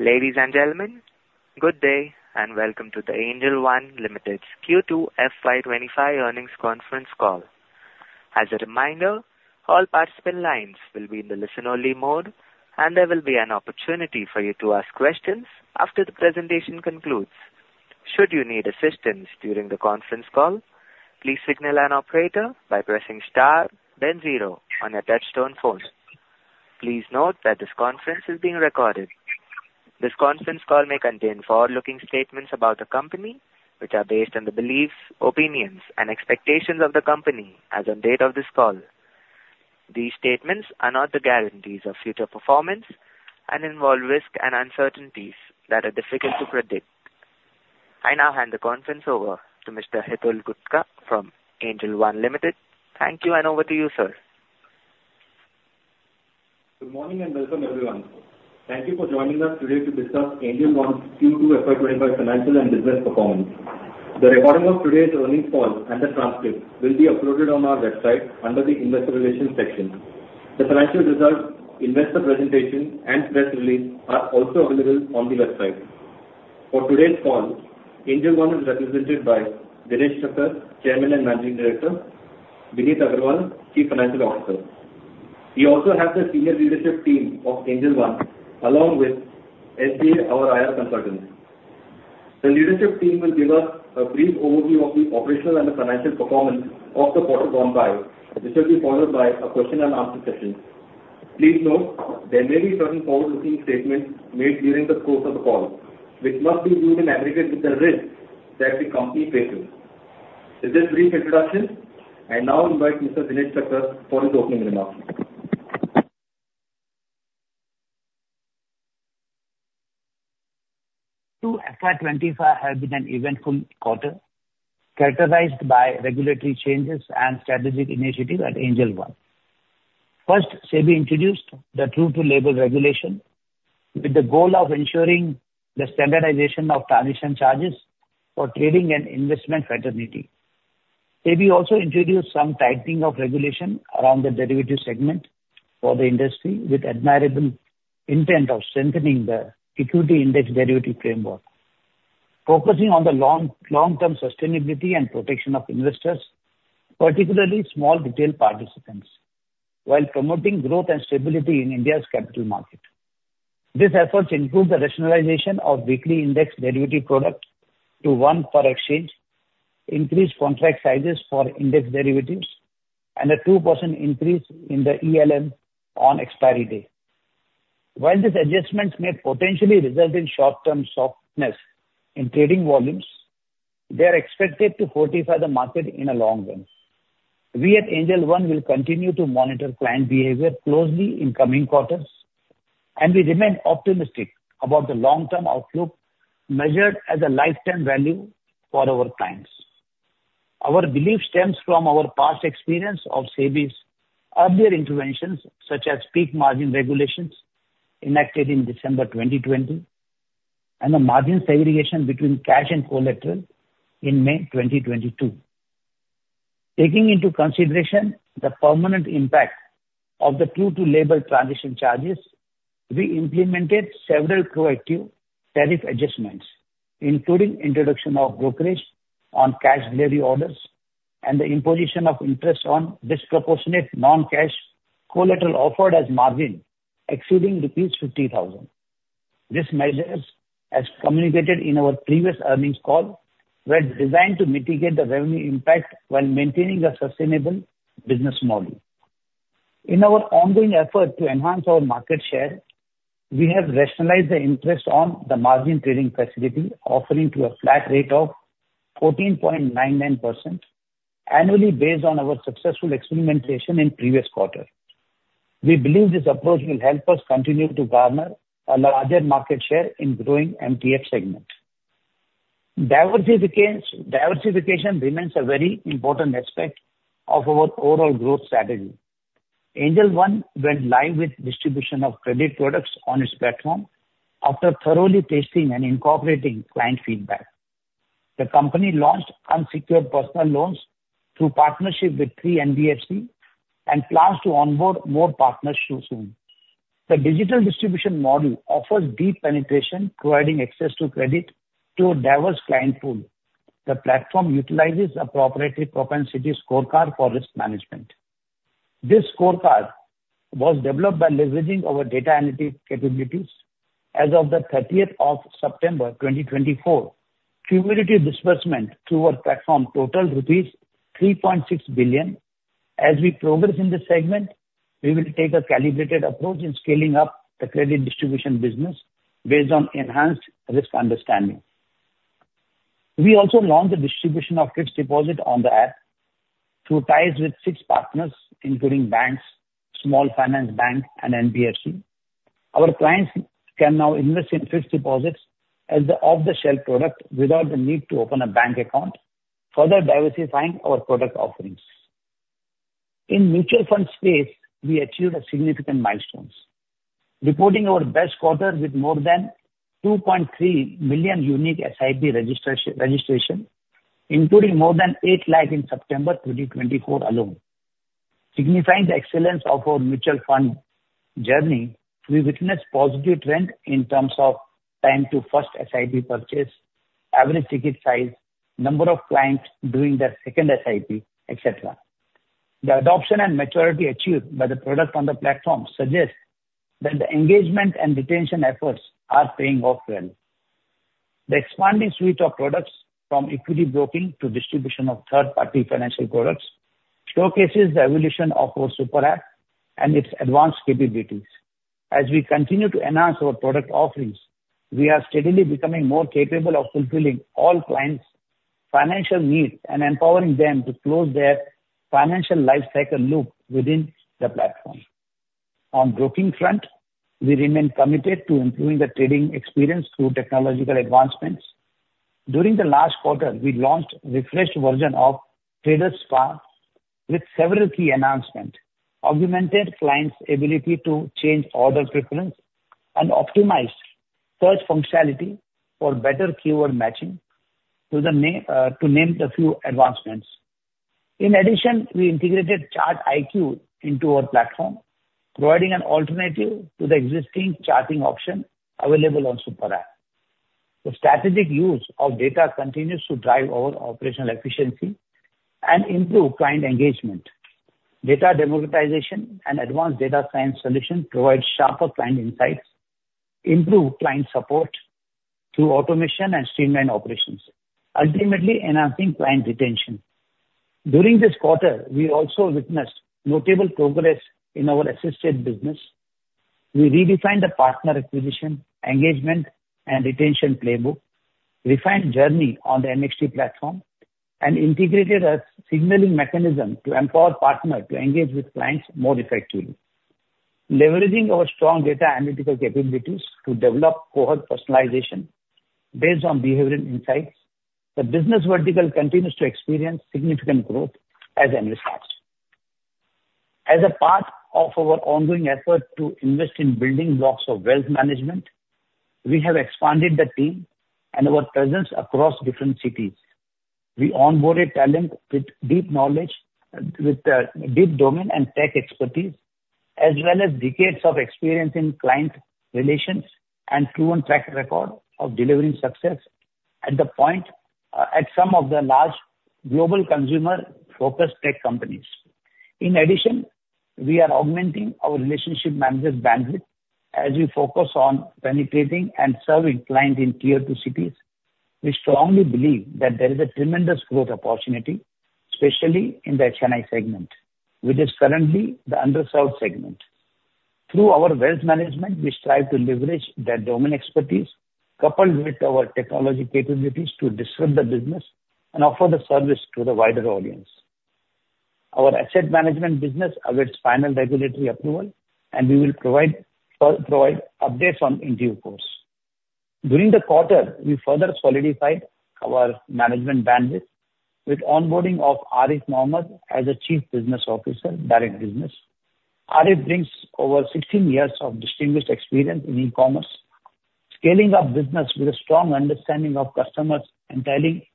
Ladies and gentlemen, good day and welcome to Angel One Limited's Q2 FY2025 Earnings Conference Call. As a reminder, all participant lines will be in listen-only mode, and there will be an opportunity for you to ask questions after the presentation concludes. Should you need assistance during the conference call, please signal an operator by pressing star, then zero on your touch-tone phone. Please note that this conference is being recorded. This conference call may contain forward-looking statements about the company, which are based on the beliefs, opinions, and expectations of the company as of the date of this call. These statements are not guarantees of future performance and involve risks and uncertainties that are difficult to predict. I now hand the conference over to Mr. Hitul Gutka from Angel One Limited. Thank you, and over to you, sir. Good morning and welcome, everyone. Thank you for joining us today to discuss Angel One's Q2 FY2025 financial and business performance. The recording of today's earnings call and the transcript will be uploaded on our website under the investor relations section. The financial results, investor presentation, and press release are also available on the website. For today's call, Angel One is represented by Dinesh Thakkar, Chairman and Managing Director; Vineet Agrawal, Chief Financial Officer. We also have the senior leadership team of Angel One, along with SGA, our IR consultants. The leadership team will give us a brief overview of the operational and the financial performance of the quarter gone by, which will be followed by a question-and-answer session. Please note, there may be certain forward-looking statements made during the course of the call, which must be viewed in aggregate with the risk that the company faces. With this brief introduction, I now invite Mr. Dinesh Thakkar for his opening remarks. Q2 FY2025 has been an eventful quarter, characterized by regulatory changes and strategic initiatives at Angel One. First, SEBI introduced the True-to-Label regulation with the goal of ensuring the standardization of transaction charges for trading and investment fraternity. SEBI also introduced some tightening of regulation around the derivatives segment for the industry, with admirable intent of strengthening the equity index derivative framework, focusing on the long-term sustainability and protection of investors, particularly small retail participants, while promoting growth and stability in India's capital market. These efforts include the rationalization of weekly index derivative products to one per exchange, increased contract sizes for index derivatives, and a 2% increase in the ELM on expiry day. While these adjustments may potentially result in short-term softness in trading volumes, they are expected to fortify the market in the long run. We at Angel One will continue to monitor client behavior closely in coming quarters, and we remain optimistic about the long-term outlook measured as a lifetime value for our clients. Our belief stems from our past experience of SEBI's earlier interventions, such as peak margin regulations enacted in December 2020 and the margin segregation between cash and collateral in May 2022. Taking into consideration the permanent impact of the True-to-Label transition charges, we implemented several proactive tariff adjustments, including the introduction of brokerage on cash delivery orders and the imposition of interest on disproportionate non-cash collateral offered as margin exceeding rupees 50,000. These measures, as communicated in our previous earnings call, were designed to mitigate the revenue impact while maintaining a sustainable business model. In our ongoing effort to enhance our market share, we have rationalized the interest on the margin trading facility offering to a flat rate of 14.99% annually, based on our successful experimentation in the previous quarter. We believe this approach will help us continue to garner a larger market share in the growing MTF segment. Diversification remains a very important aspect of our overall growth strategy. Angel One went live with the distribution of credit products on its platform after thoroughly testing and incorporating client feedback. The company launched unsecured personal loans through partnerships with three NBFCs and plans to onboard more partners soon. The digital distribution model offers deep penetration, providing access to credit to a diverse client pool. The platform utilizes a proprietary propensity scorecard for risk management. This scorecard was developed by leveraging our data analytics capabilities. As of the 30th of September 2024, cumulative disbursement to our platform totaled ₹3.6 billion. As we progress in this segment, we will take a calibrated approach in scaling up the credit distribution business based on enhanced risk understanding. We also launched the distribution of fixed deposits on the app through ties with six partners, including banks, small finance banks, and NBFCs. Our clients can now invest in fixed deposits as an off-the-shelf product without the need to open a bank account, further diversifying our product offerings. In the mutual fund space, we achieved significant milestones, reporting our best quarter with more than 2.3 million unique SIP registrations, including more than 800,000 in September 2024 alone. Signifying the excellence of our mutual fund journey, we witnessed a positive trend in terms of time to first SIP purchase, average ticket size, number of clients doing their second SIP, etc. The adoption and maturity achieved by the product on the platform suggests that the engagement and retention efforts are paying off well. The expanding suite of products, from equity broking to distribution of third-party financial products, showcases the evolution of our Super App and its advanced capabilities. As we continue to enhance our product offerings, we are steadily becoming more capable of fulfilling all clients' financial needs and empowering them to close their financial lifecycle loop within the platform. On the broking front, we remain committed to improving the trading experience through technological advancements. During the last quarter, we launched a refreshed version of Spark with several key announcements, augmenting clients' ability to change order preference and optimizing search functionality for better keyword matching, to name a few advancements. In addition, we integrated ChartIQ into our platform, providing an alternative to the existing charting option available on the Super App. The strategic use of data continues to drive our operational efficiency and improve client engagement. Data democratization and advanced data science solutions provide sharper client insights, improve client support through automation and streamlined operations, ultimately enhancing client retention. During this quarter, we also witnessed notable progress in our assisted business. We redefined the partner acquisition, engagement, and retention playbook, refined the journey on the NXT platform, and integrated a signaling mechanism to empower partners to engage with clients more effectively. Leveraging our strong data analytical capabilities to develop cohort personalization based on behavioral insights, the business vertical continues to experience significant growth as a result. As a part of our ongoing effort to invest in building blocks of wealth management, we have expanded the team and our presence across different cities. We onboarded talent with deep knowledge, with deep domain and tech expertise, as well as decades of experience in client relations and a proven track record of delivering success at some of the large global consumer-focused tech companies. In addition, we are augmenting our relationship managers' bandwidth as we focus on penetrating and serving clients in tier two cities. We strongly believe that there is a tremendous growth opportunity, especially in the HNI segment, which is currently the underserved segment. Through our wealth management, we strive to leverage that domain expertise, coupled with our technology capabilities, to disrupt the business and offer the service to the wider audience. Our asset management business awaits final regulatory approval, and we will provide updates in due course. During the quarter, we further solidified our management bandwidth with the onboarding of Arief Mohamad as Chief Business Officer, Direct Business. Arief brings over 16 years of distinguished experience in e-commerce, scaling up business with a strong understanding of customers and highly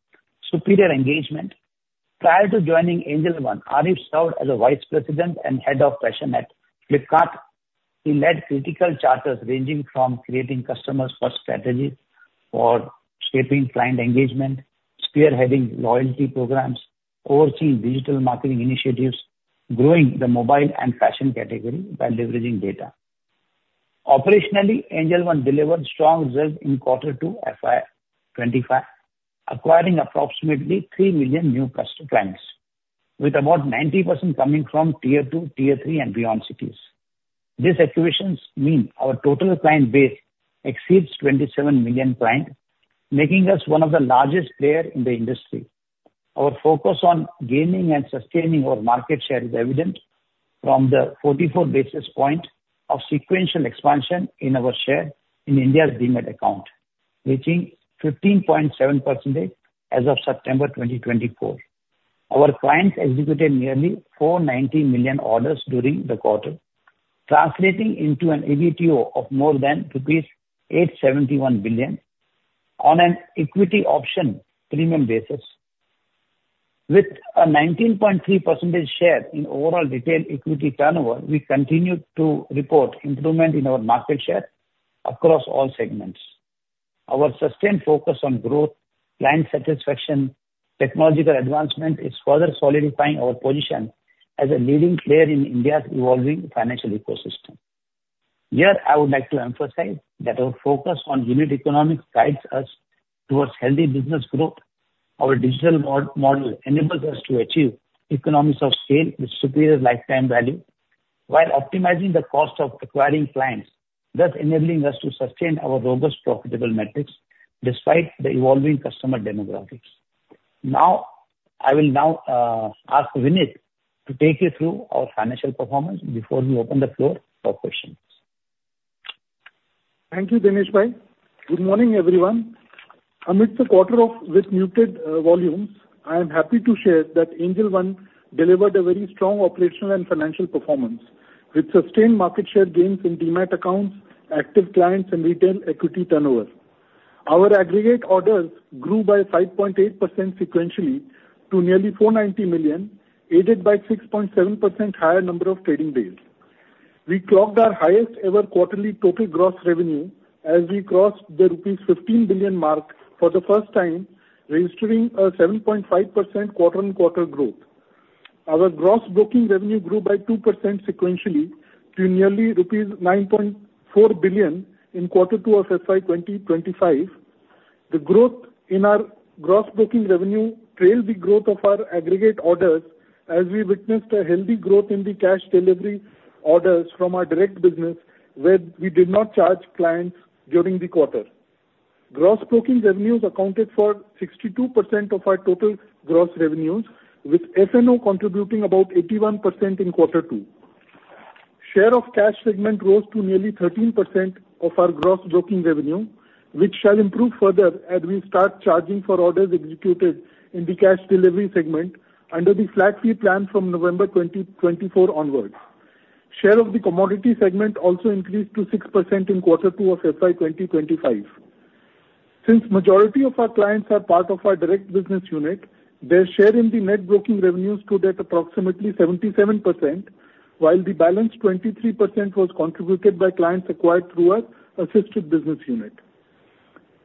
superior engagement. Prior to joining Angel One, Arief served as Vice President and Head of Fashion at Flipkart. He led critical chapters ranging from creating customer-first strategies for shaping client engagement, spearheading loyalty programs, overseeing digital marketing initiatives, and growing the mobile and fashion category by leveraging data. Operationally, Angel One delivered strong results in Q2 FY25, acquiring approximately 3 million new clients, with about 90% coming from tier two, tier three, and beyond cities. These acquisitions mean our total client base exceeds 27 million clients, making us one of the largest players in the industry. Our focus on gaining and sustaining our market share is evident from the 44 basis points of sequential expansion in our share in India's demat account, reaching 15.7% as of September 2024. Our clients executed nearly 490 million orders during the quarter, translating into an EBITDA of more than ₹871 billion on an equity option premium basis. With a 19.3% share in overall retail equity turnover, we continue to report improvement in our market share across all segments. Our sustained focus on growth, client satisfaction, and technological advancement is further solidifying our position as a leading player in India's evolving financial ecosystem. Here, I would like to emphasize that our focus on unit economics guides us towards healthy business growth. Our digital model enables us to achieve economies of scale with superior lifetime value while optimizing the cost of acquiring clients, thus enabling us to sustain our robust profitable metrics despite the evolving customer demographics. Now, I will ask Vineet to take you through our financial performance before we open the floor for questions. Thank you, Dinesh Bhai. Good morning, everyone. Amidst the quarter with muted volumes, I am happy to share that Angel One delivered a very strong operational and financial performance with sustained market share gains in demat accounts, active clients, and retail equity turnover. Our aggregate orders grew by 5.8% sequentially to nearly 490 million, aided by a 6.7% higher number of trading days. We clocked our highest-ever quarterly total gross revenue as we crossed the rupees 15 billion mark for the first time, registering a 7.5% quarter-on-quarter growth. Our gross booking revenue grew by 2% sequentially to nearly rupees 9.4 billion in Q2 of FY2025. The growth in our gross booking revenue trailed the growth of our aggregate orders as we witnessed a healthy growth in the cash delivery orders from our direct business, where we did not charge clients during the quarter. Gross booking revenues accounted for 62% of our total gross revenues, with F&O contributing about 81% in Q2. Share of cash segment rose to nearly 13% of our gross booking revenue, which shall improve further as we start charging for orders executed in the cash delivery segment under the flat fee plan from November 2024 onward. Share of the commodity segment also increased to 6% in Q2 of FY2025. Since the majority of our clients are part of our direct business unit, their share in the net booking revenues stood at approximately 77%, while the balance of 23% was contributed by clients acquired through our assisted business unit.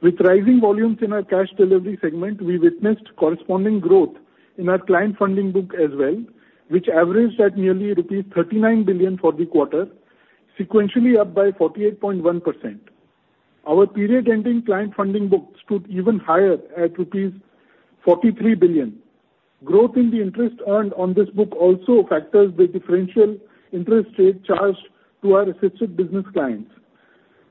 With rising volumes in our cash delivery segment, we witnessed corresponding growth in our client funding book as well, which averaged at nearly ₹39 billion for the quarter, sequentially up by 48.1%. Our period-ending client funding book stood even higher at rupees 43 billion. Growth in the interest earned on this book also factors the differential interest rate charged to our assisted business clients.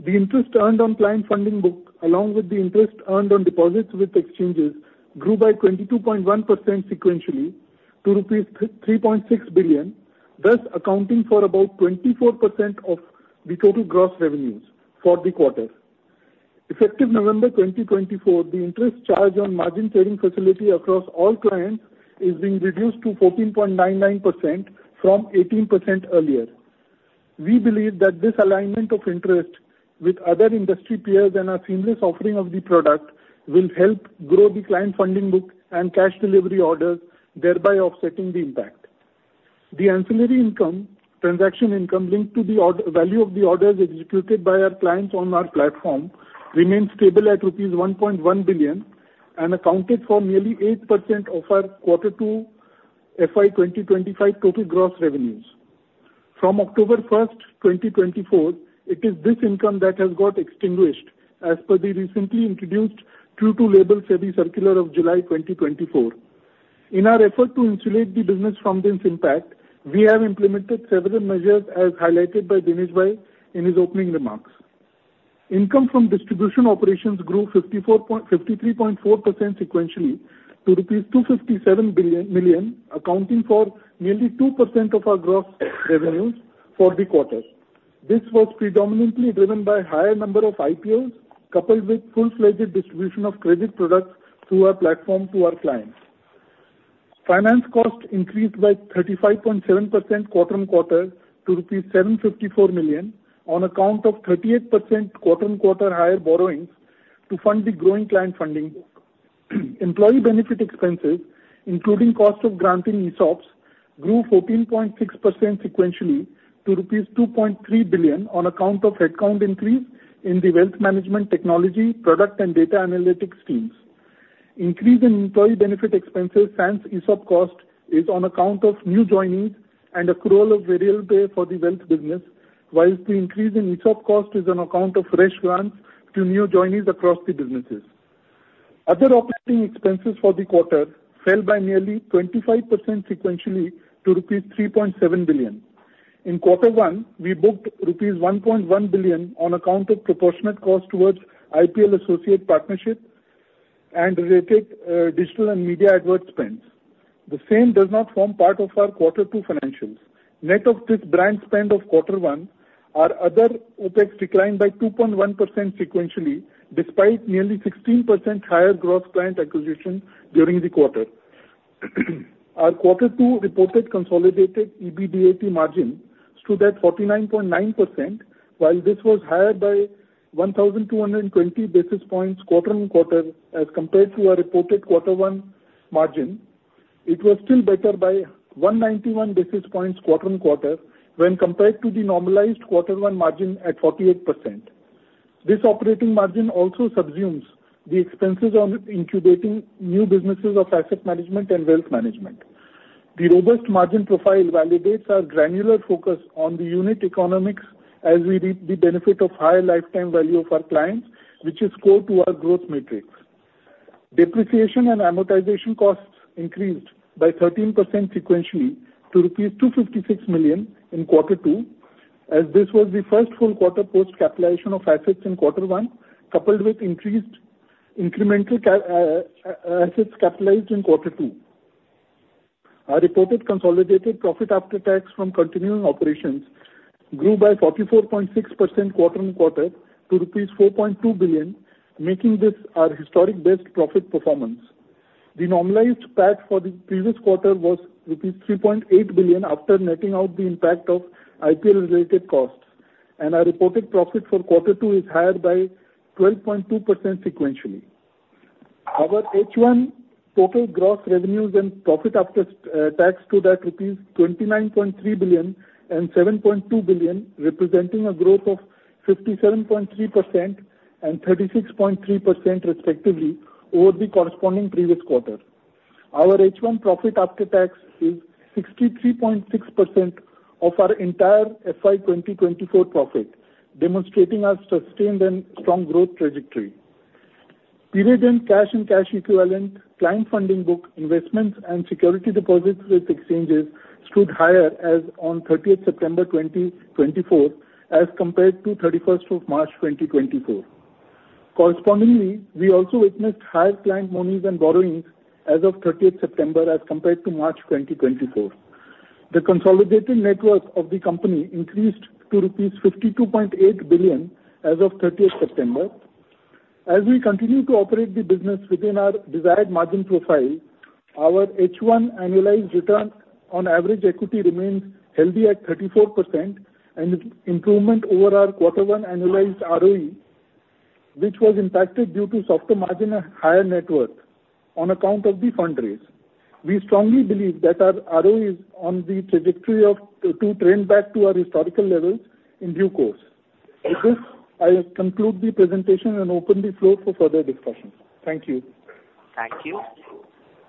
The interest earned on client funding book, along with the interest earned on deposits with exchanges, grew by 22.1% sequentially to rupees 3.6 billion, thus accounting for about 24% of the total gross revenues for the quarter. Effective November 2024, the interest charge on margin trading facility across all clients is being reduced to 14.99% from 18% earlier. We believe that this alignment of interest with other industry peers and our seamless offering of the product will help grow the client funding book and cash delivery orders, thereby offsetting the impact. The ancillary transaction income linked to the value of the orders executed by our clients on our platform remains stable at rupees 1.1 billion and accounted for nearly 8% of our Q2 FY2025 total gross revenues. From October 1st, 2024, it is this income that has got extinguished as per the recently introduced SEBI circular of July 2024. In our effort to insulate the business from this impact, we have implemented several measures as highlighted by Dinesh Bhai in his opening remarks. Income from distribution operations grew 53.4% sequentially to rupees 257 million, accounting for nearly 2% of our gross revenues for the quarter. This was predominantly driven by a higher number of IPOs coupled with full-fledged distribution of credit products through our platform to our clients. Finance costs increased by 35.7% quarter on quarter to rupees 754 million on account of 38% quarter on quarter higher borrowings to fund the growing client funding book. Employee benefit expenses, including the cost of granting ESOPs, grew 14.6% sequentially to ₹2.3 billion on account of headcount increase in the wealth management, technology, product and data analytics teams. The increase in employee benefit expenses since ESOP cost is on account of new joinings and accrual of variable pay for the wealth business, while the increase in ESOP cost is on account of fresh grants to new joinings across the businesses. Other operating expenses for the quarter fell by nearly 25% sequentially to rupees 3.7 billion. In Q1, we booked rupees 1.1 billion on account of proportionate cost towards IPL Associate Partnership and related digital and media advertisement spends. The same does not form part of our Q2 financials. Net of this brand spend of Q1, our other OPEX declined by 2.1% sequentially, despite nearly 16% higher gross client acquisition during the quarter. Our Q2 reported consolidated EBITDA margin stood at 49.9%, while this was higher by 1,220 basis points quarter on quarter as compared to our reported Q1 margin. It was still better by 191 basis points quarter on quarter when compared to the normalized Q1 margin at 48%. This operating margin also subsumes the expenses on incubating new businesses of asset management and wealth management. The robust margin profile validates our granular focus on the unit economics as we reap the benefit of higher lifetime value of our clients, which is core to our growth metrics. Depreciation and amortization costs increased by 13% sequentially to rupees 256 million in Q2, as this was the first full quarter post-capitalization of assets in Q1, coupled with increased incremental assets capitalized in Q2. Our reported consolidated profit after tax from continuing operations grew by 44.6% quarter on quarter to rupees 4.2 billion, making this our historic best profit performance. The normalized PAT for the previous quarter was rupees 3.8 billion after netting out the impact of IPL-related costs, and our reported profit for Q2 is higher by 12.2% sequentially. Our H1 total gross revenues and profit after tax stood at rupees 29.3 billion and ₹7.2 billion, representing a growth of 57.3% and 36.3% respectively over the corresponding previous quarter. Our H1 profit after tax is 63.6% of our entire FY2024 profit, demonstrating our sustained and strong growth trajectory. Period-end cash and cash equivalent client funding book, investments, and security deposits with exchanges stood higher as of 30th September 2024 as compared to 31st March 2024. Correspondingly, we also witnessed higher client monies and borrowings as of 30th September as compared to March 2024. The consolidated net worth of the company increased to rupees 52.8 billion as of 30th September. As we continue to operate the business within our desired margin profile, our H1 annualized return on average equity remains healthy at 34%, an improvement over our Q1 annualized ROE, which was impacted due to softer margin and higher net worth on account of the fundraise. We strongly believe that our ROE is on the trajectory to trend back to our historical levels in due course. With this, I conclude the presentation and open the floor for further discussion. Thank you. Thank you.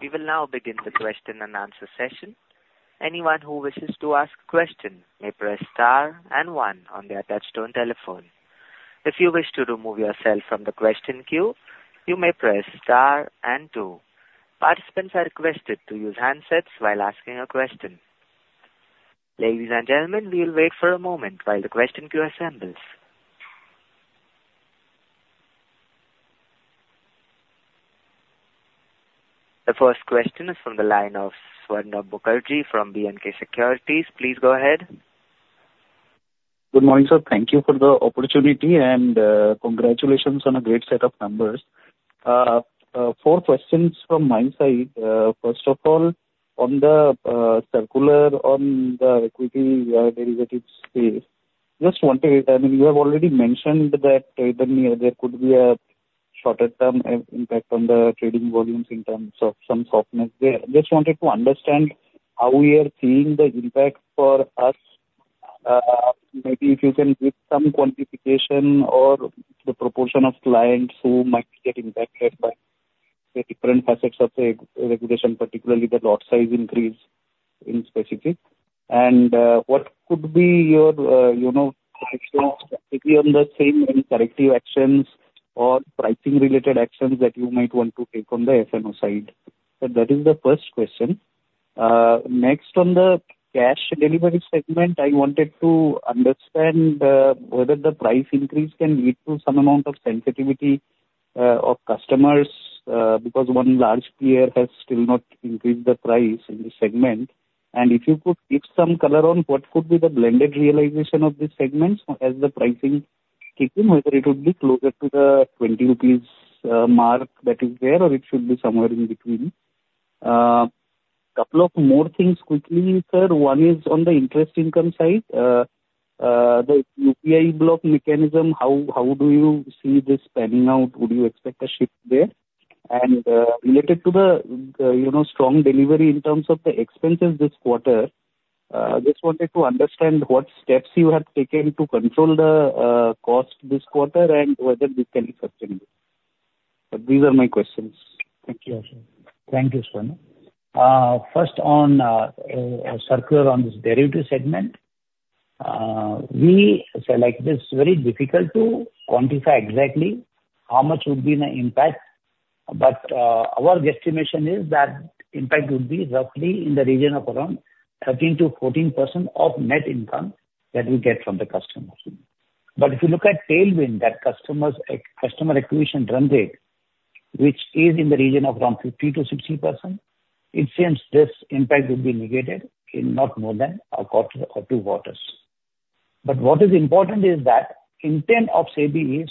We will now begin the question-and-answer session. Anyone who wishes to ask a question may press star and one on the touch-tone telephone. If you wish to remove yourself from the question queue, you may press star and two. Participants are requested to use handsets while asking a question. Ladies and gentlemen, we will wait for a moment while the question queue assembles. The first question is from the line of Swarnabha Mukherjee from B&K Securities. Please go ahead. Good morning, sir. Thank you for the opportunity, and congratulations on a great set of numbers. Four questions from my side. First of all, on the circular on the equity derivatives space, just wanted to—I mean, you have already mentioned that there could be a shorter-term impact on the trading volumes in terms of some softness there. Just wanted to understand how we are seeing the impact for us. Maybe if you can give some quantification or the proportion of clients who might get impacted by the different facets of the regulation, particularly the lot size increase in specific. What could be your actions maybe on the same corrective actions or pricing-related actions that you might want to take on the F&O side? So that is the first question. Next, on the cash delivery segment, I wanted to understand whether the price increase can lead to some amount of sensitivity of customers because one large player has still not increased the price in the segment. If you could give some color on what could be the blended realization of the segments as the pricing kick in, whether it would be closer to the 20 rupees mark that is there or it should be somewhere in between. A couple of more things quickly, sir. One is on the interest income side. The UPI block mechanism, how do you see this panning out? Would you expect a shift there? Related to the strong delivery in terms of the expenses this quarter, just wanted to understand what steps you have taken to control the cost this quarter and whether this can be sustainable. These are my questions. Thank you. Thank you, Swarnabh. First, on circular on this derivative segment, we said this is very difficult to quantify exactly how much would be the impact, but our estimation is that impact would be roughly in the region of around 13%-14% of net income that we get from the customers. But if you look at tailwind, that customer acquisition run rate, which is in the region of around 50%-60%, it seems this impact would be negated in not more than a quarter or two quarters. But what is important is that intent of SEBI is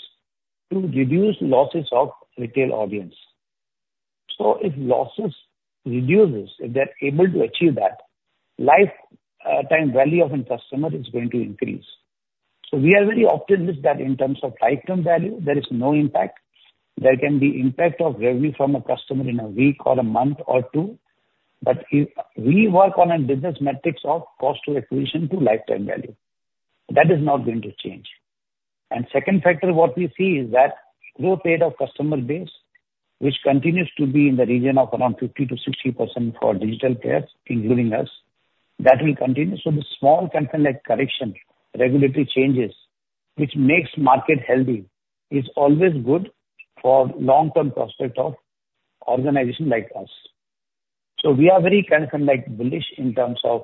to reduce losses of retail audience. So if losses reduce, if they're able to achieve that, lifetime value of a customer is going to increase. So we have very often missed that in terms of lifetime value, there is no impact. There can be impact of revenue from a customer in a week or a month or two, but we work on a business metrics of cost to acquisition to lifetime value. That is not going to change. The second factor, what we see is that growth rate of customer base, which continues to be in the region of around 50%-60% for digital players, including us, that will continue. The small kind of correction, regulatory changes, which makes the market healthy, is always good for the long-term prospect of an organization like us. We are very bullish in terms of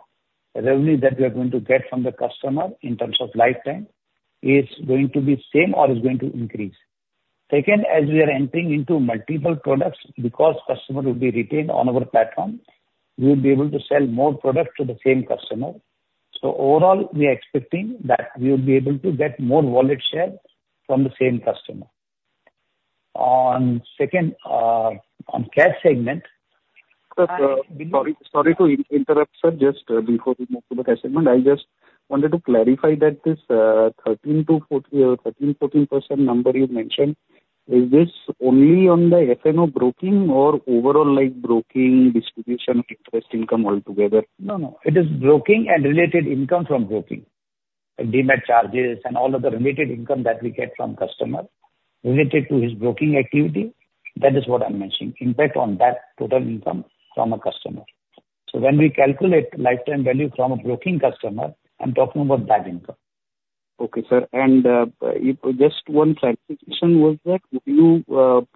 revenue that we are going to get from the customer in terms of lifetime is going to be the same or is going to increase. Second, as we are entering into multiple products because customers will be retained on our platform, we will be able to sell more products to the same customer. So overall, we are expecting that we will be able to get more wallet share from the same customer on cash segment. Sorry to interrupt, sir. Just before we move to the cash segment, I just wanted to clarify that this 13%-4% number you mentioned, is this only on the F&O broking or overall broking distribution of interest income altogether? No, no. It is broking and related income from broking, demat charges, and all of the related income that we get from customers related to his broking activity. That is what I'm mentioning, impact on that total income from a customer. So when we calculate lifetime value from a broking customer, I'm talking about that income. Okay, sir. Just one clarification: would you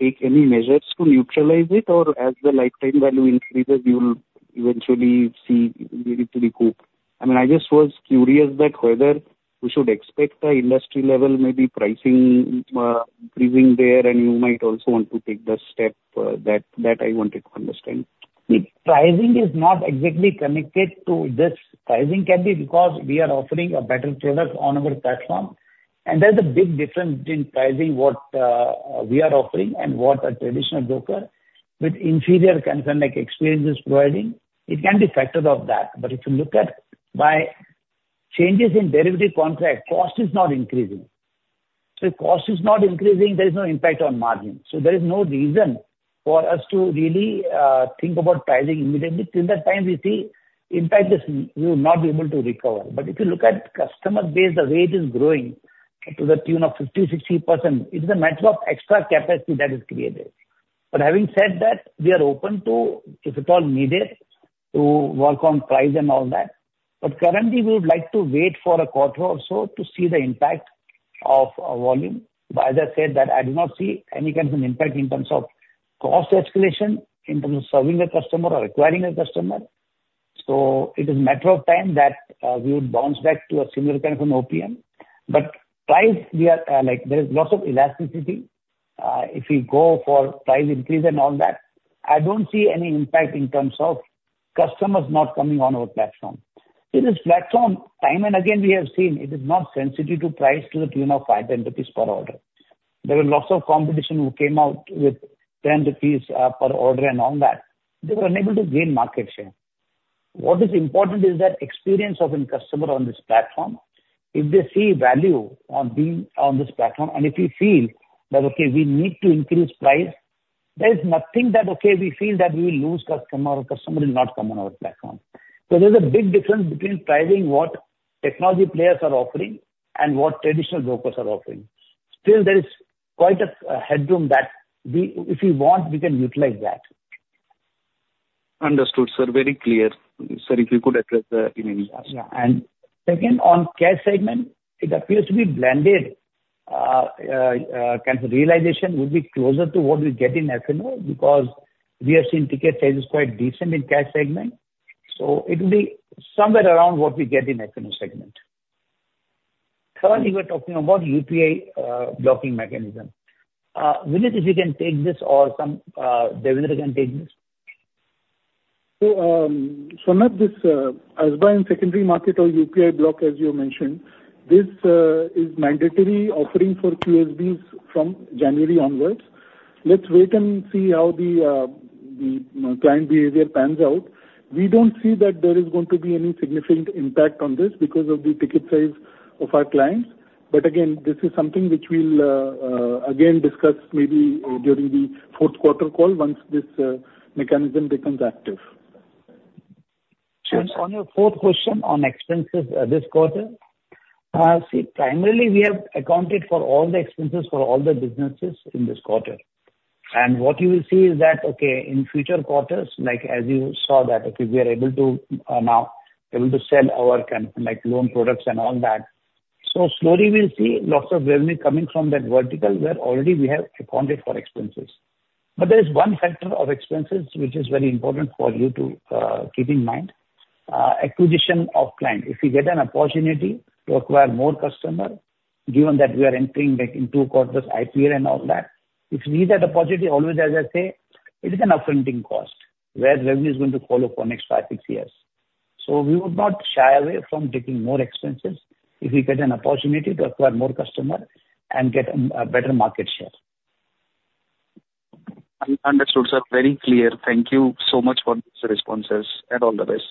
take any measures to neutralize it, or as the lifetime value increases, you will eventually see it recuperate? I mean, I was just curious whether we should expect an industry-level pricing increase there, and you might also want to take that step. I wanted to understand. Pricing is not exactly connected to this. Pricing can be because we are offering a better product on our platform. There's a big difference between pricing what we are offering and what a traditional broker with inferior kind of experience is providing. It can be factored off that. But if you look at why changes in derivative contract, cost is not increasing. So if cost is not increasing, there is no impact on margin. So there is no reason for us to really think about pricing immediately. Till that time, we see impact is we will not be able to recover. But if you look at customer base, the rate is growing to the tune of 50%, 60%. It is a matter of extra capacity that is created. But having said that, we are open to, if at all needed, to work on price and all that. Currently, we would like to wait for a quarter or so to see the impact of volume. As I said, I do not see any kind of impact in terms of cost escalation, in terms of serving a customer or acquiring a customer. It is a matter of time that we would bounce back to a similar kind of OPM. Price, there is lots of elasticity. If we go for price increase and all that, I don't see any impact in terms of customers not coming on our platform. This platform, time and again, we have seen it is not sensitive to price to the tune of 5 rupees per order. There were lots of competition who came out with 10 rupees per order and all that. They were unable to gain market share. What is important is that experience of a customer on this platform. If they see value on this platform, and if we feel that we need to increase price, there is nothing that we feel that we will lose customer or customer will not come on our platform. So there's a big difference between pricing what technology players are offering and what traditional brokers are offering. Still, there is quite a headroom that if we want, we can utilize that. Understood, sir. Very clear. Sir, if you could address that in any way. And second, on cash segment, it appears to be blended. Kind of realization would be closer to what we get in F&O because we have seen ticket size is quite decent in cash segment. So it will be somewhere around what we get in F&O segment. Third, we were talking about UPI blocking mechanism. Vineet, if you can take this or Devender can take this. Swarnabh, as by secondary market or UPI block, as you mentioned, this is mandatory offering for QSBs from January onwards. Let's wait and see how the client behavior pans out. We don't see that there is going to be any significant impact on this because of the ticket size of our clients. But again, this is something which we'll again discuss maybe during the fourth quarter call once this mechanism becomes active. On your fourth question on expenses this quarter, I see primarily we have accounted for all the expenses for all the businesses in this quarter. What you will see is that in future quarters, as you saw that we are now able to sell our loan products and all that, slowly we'll see lots of revenue coming from that vertical where we have already accounted for expenses. But there is one factor of expenses which is very important for you to keep in mind: acquisition of clients. If you get an opportunity to acquire more customers, given that we are entering into quarters, IPL and all that, if we need that opportunity, always, as I say, it is an upfront cost where revenue is going to follow for the next five, six years. We would not shy away from taking more expenses if we get an opportunity to acquire more customers and get a better market share. Understood, sir. Very clear. Thank you so much for these responses and all the best.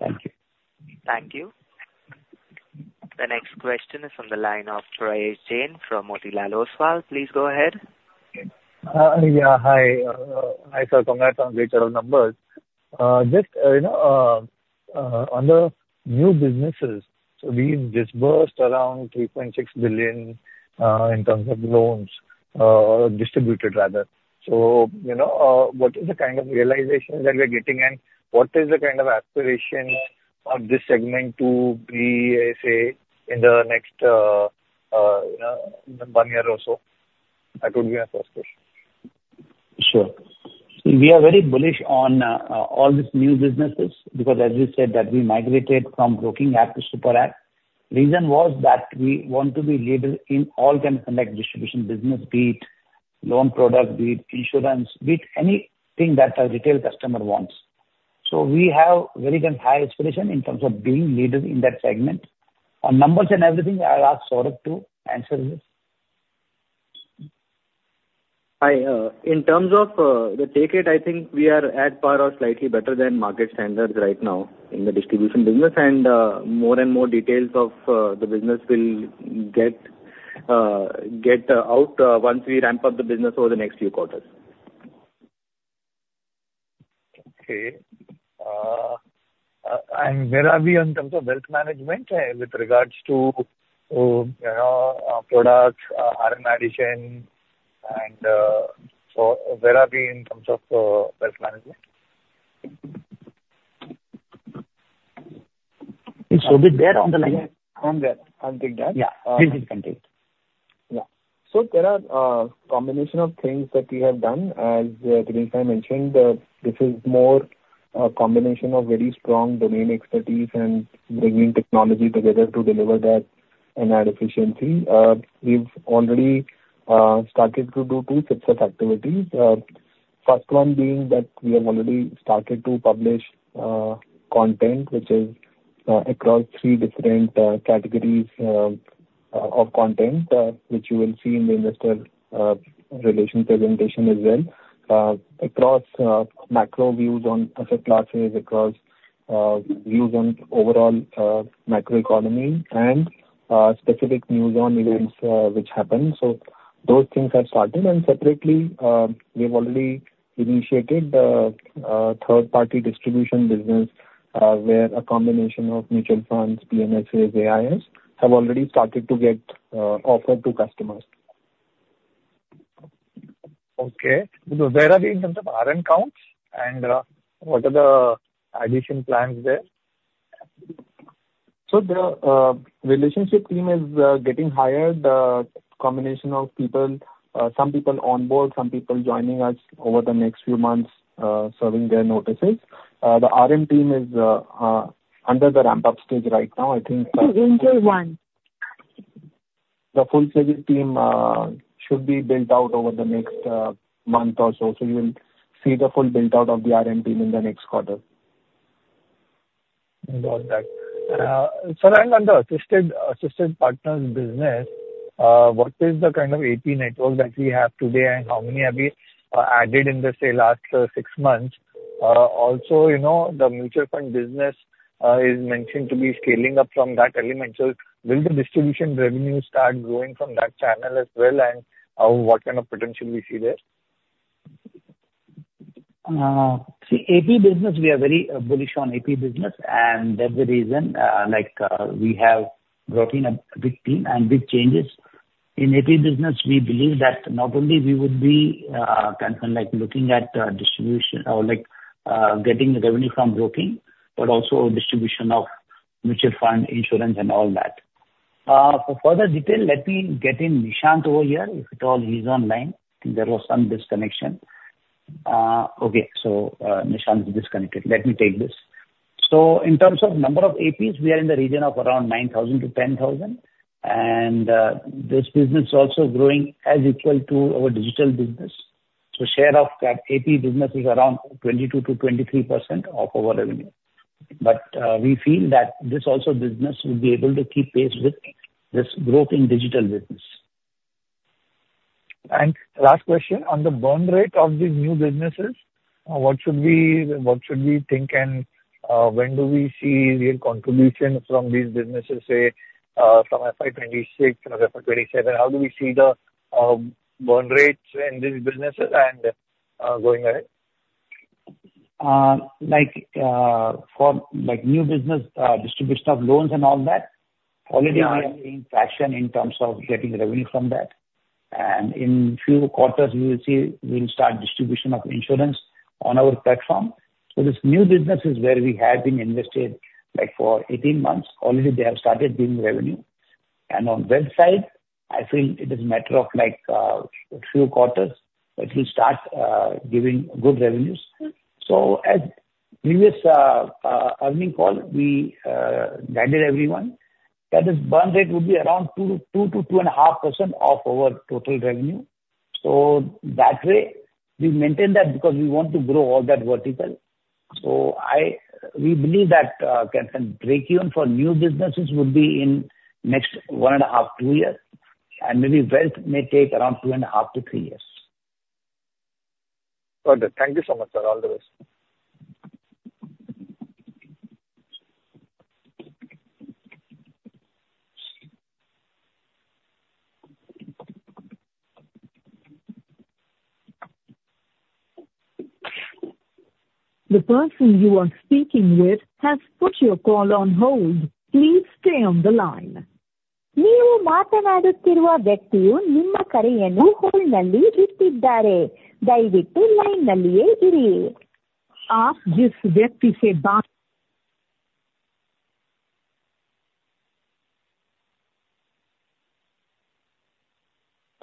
Thank you. Thank you. The next question is from the line of Prayesh Jain from Motilal Oswal. Please go ahead. Hi. Hi, sir. Congratulations on great numbers. Just on the new businesses, so we just burst around $3.6 billion in terms of loans distributed, rather. So what is the kind of realization that we are getting, and what is the kind of aspiration of this segment to be, say, in the next one year or so? That would be my first question. Sure. We are very bullish on all these new businesses because, as you said, we migrated from broking app to Super App. The reason was that we want to be leaders in all kinds of distribution business, be it loan products, be it insurance, be it anything that a retail customer wants. So we have very high aspiration in terms of being leaders in that segment. On numbers and everything, I'll ask Agrawal to answer this. Hi. In terms of the ticket, I think we are at par or slightly better than market standards right now in the distribution business, and more and more details of the business will get out once we ramp up the business over the next few quarters. And where are we in terms of wealth management with regards to products, RM addition, and where are we in terms of wealth management? So there on the line. On that, I'll take that. Yeah. So there are a combination of things that we have done. As Devender mentioned, this is more a combination of very strong domain expertise and bringing technology together to deliver that and add efficiency. We've already started to do two sets of activities. First one being that we have already started to publish content, which is across three different categories of content, which you will see in the investor relations presentation as well, across macro views on asset classes, across views on overall macroeconomy, and specific news on events which happen. Those things have started. Separately, we have already initiated a third-party distribution business where a combination of mutual funds, PMSs, AIFs have already started to get offered to customers. Where are we in terms of RM counts? What are the addition plans there? The relationship team is getting hired, a combination of people, some people on board, some people joining us over the next few months, serving their notices. The RM team is under the ramp-up stage right now, I think. The retail one. The full-service team should be built out over the next month or so. So you will see the full build-out of the RM team in the next quarter. Got that. Sir, I'm on the assisted partners business. What is the kind of AP network that we have today, and how many have we added in the last six months? Also, the mutual fund business is mentioned to be scaling up from that element. So will the distribution revenue start growing from that channel as well, and what kind of potential do we see there? See, AP business, we are very bullish on AP business. There's a reason. We have brought in a big team and big changes. In AP business, we believe that not only we would be looking at distribution or getting revenue from broking, but also distribution of mutual fund, insurance, and all that. For further detail, let me get in Nishant over here, if at all he's online. I think there was some disconnection. So Nishant is disconnected. Let me take this. In terms of number of APs, we are in the region of around 9,000 to 10,000. This business is also growing as equal to our digital business. Share of AP business is around 22%-23% of our revenue. We feel that this business will also be able to keep pace with this growth in digital business. Thanks. Last question. On the burn rate of these new businesses, what should we think, and when do we see real contribution from these businesses, say, from FY2026, FY2027? How do we see the burn rates in these businesses going ahead? For new business distribution of loans and all that, we are already seeing traction in terms of getting revenue from that. In a few quarters, we will start distribution of insurance on our platform. This new business is where we have been invested for 18 months. They have already started giving revenue. On the website, I feel it is a matter of a few quarters, it will start giving good revenues. As previous earning call, we guided everyone that this burn rate would be around 2%-2.5% of our total revenue. That way, we maintain that because we want to grow all that vertical. We believe that kind of break-even for new businesses would be in the next one and a half, two years. Maybe wealth may take around two and a half to three years. Got it. Thank you so much, sir. All the best. The person you are speaking with has put your call on hold. Please stay on the line.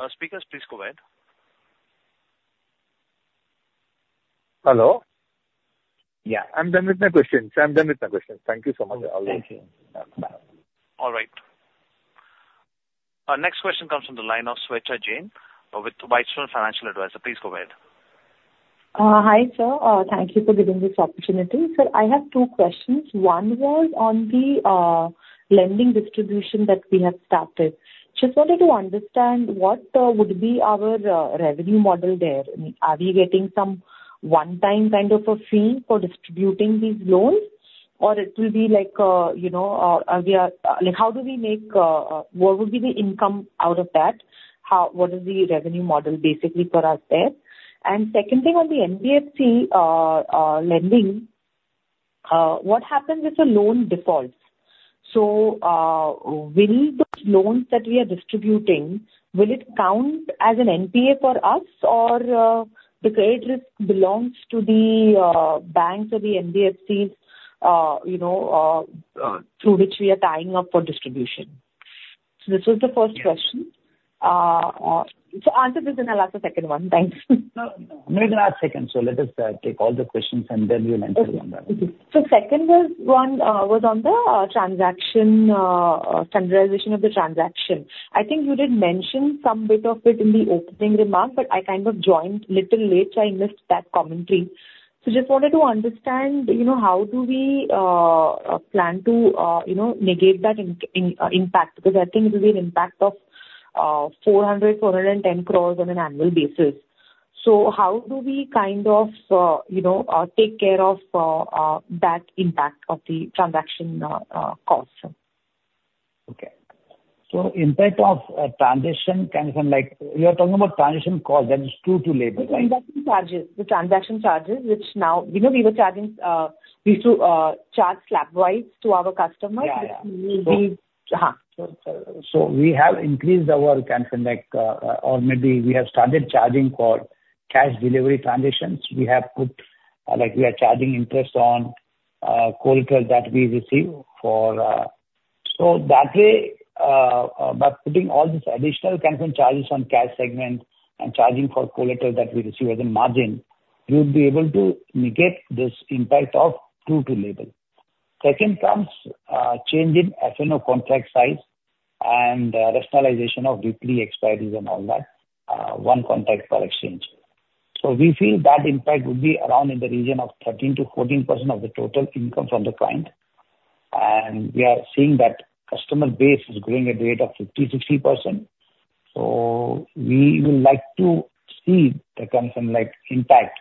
Speakers, please go ahead. Hello? Yeah. I'm done with my questions. I'm done with my questions. Thank you so much. All right. Next question comes from the line of Swechha Jain, Whitestone Financial Advisors. Please go ahead. Hi, sir. Thank you for giving this opportunity. Sir, I have two questions. One was on the lending distribution that we have started. Just wanted to understand what would be our revenue model there. Are we getting some one-time kind of fee for distributing these loans, or it will be like how do we make what would be the income out of that? What is the revenue model basically for us there? The second thing, on the NBFC lending, what happens if a loan defaults? Will the loans that we are distributing count as an NPA for us, or does the credit risk belong to the banks or the NBFCs through which we are tying up for distribution? This was the first question. Answer this and I'll ask the second one. Thanks. No, no. Maybe last second. So let us take all the questions, and then we'll answer one by one. Okay. So second one was on the transaction standardization of the transaction. I think you did mention some bit of it in the opening remark, but I kind of joined a little late. So I missed that commentary. So just wanted to understand how do we plan to negate that impact? Because I think it will be an impact of 400, 410 crores on an annual basis. So how do we kind of take care of that impact of the transaction cost? Okay. So impact of transition, you are talking about transition cost. That is True-to-Label, right? The transaction charges, which we were charging, we used to charge slab-wise to our customers. We have increased our kind of or maybe we have started charging for cash delivery transactions. We have put we are charging interest on collateral that we receive for. By putting all these additional kind of charges on cash segment and charging for collateral that we receive as a margin, we would be able to negate this impact of True-to-Label. Second comes change in F&O contract size and rationalization of weekly expiries and all that, one contract per exchange. We feel that impact would be around in the region of 13%-14% of the total income from the client. We are seeing that customer base is growing at a rate of 50%, 60%. We would like to see the kind of impact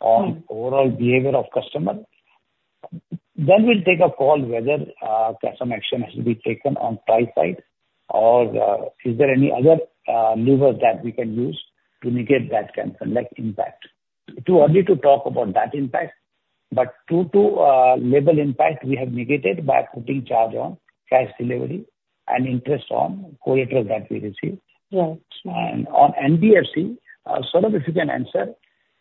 on overall behavior of customers. We'll take a call whether some action has to be taken on price side or is there any other lever that we can use to negate that kind of impact. Too early to talk about that impact, but True-to-Label impact, we have negated by putting charge on cash delivery and interest on collateral that we receive. On NBFC, Saurabh, if you can answer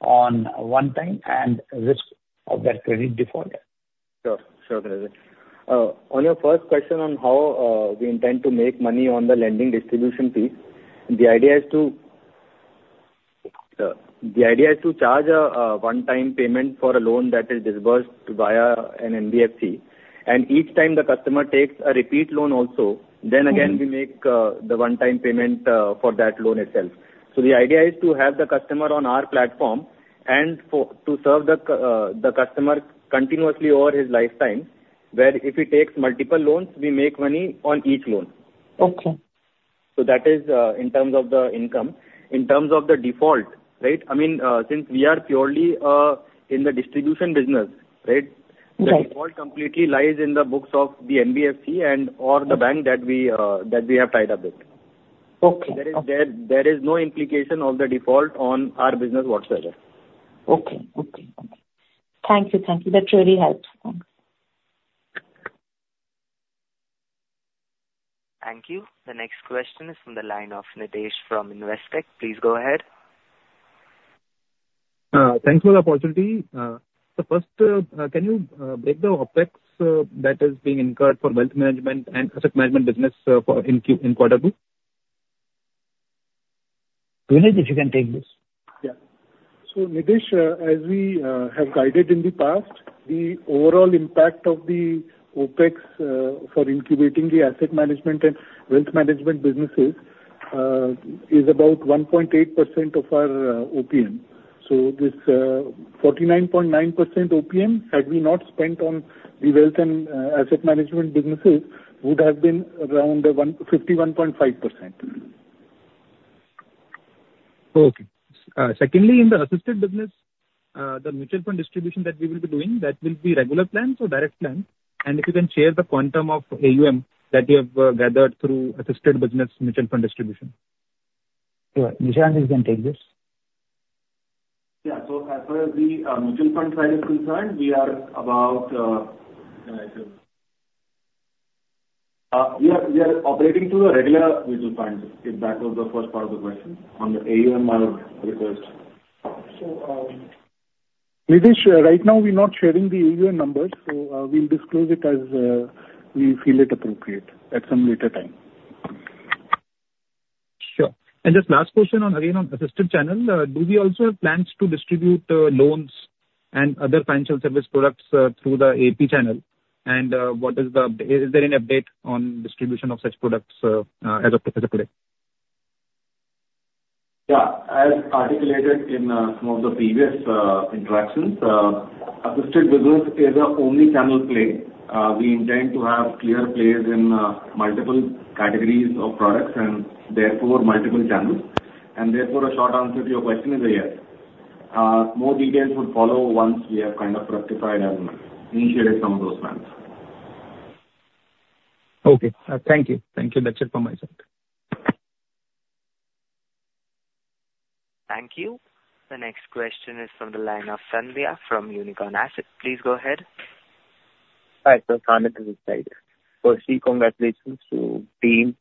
on one time and risk of that credit default. Sure. Sure. On your first question on how we intend to make money on the lending distribution piece, the idea is to charge a one-time payment for a loan that is disbursed via an NBFC. And each time the customer takes a repeat loan also, then again, we make the one-time payment for that loan itself. So the idea is to have the customer on our platform and to serve the customer continuously over his lifetime, where if he takes multiple loans, we make money on each loan. Okay. That is in terms of the income. In terms of the default, I mean, since we are purely in the distribution business, the default completely lies in the books of the NBFC and/or the bank that we have tied up with. There is no implication of the default on our business whatsoever. Okay. Thank you. That really helps. Thanks. Thank you. The next question is from the line of Nidhesh from Investec. Please go ahead. Thanks for the opportunity. First, can you break down the OPEX that is being incurred for wealth management and asset management business in quarter two? Devender Ji, if you can take this. Yeah. So Nidhesh, as we have guided in the past, the overall impact of the OPEX for incubating the asset management and wealth management businesses is about 1.8% of our OPM. So this 49.9% OPM, had we not spent on the wealth and asset management businesses, would have been around 51.5%. Secondly, in the assisted business, the mutual fund distribution that we will be doing, that will be regular plan or direct plan? And if you can share the quantum of AUM that you have gathered through assisted business mutual fund distribution. Nishant, if you can take this. So as far as the mutual fund side is concerned, we are operating through a regular mutual fund. If that was the first part of the question on the AUM request. Nidhesh, right now, we're not sharing the AUM numbers. We'll disclose it as we feel it appropriate at some later time. Sure. Just last question on, again, on assisted channel, do we also have plans to distribute loans and other financial service products through the AP channel? Is there any update on distribution of such products as of today? Yes. As articulated in some of the previous interactions, our business is not an only-channel play. We intend to have clear plays in multiple categories of products and therefore multiple channels. Therefore, a short answer to your question is yes. More details would follow once we have rectified and initiated some of those plans. Okay. Thank you. Thank you, Nitesh, for my side. Thank you. The next question is from the line of Sandhya from Unicorn Asset. Please go ahead. Hi. Swarnabh, this is Sandhya. Firstly, congratulations to the team.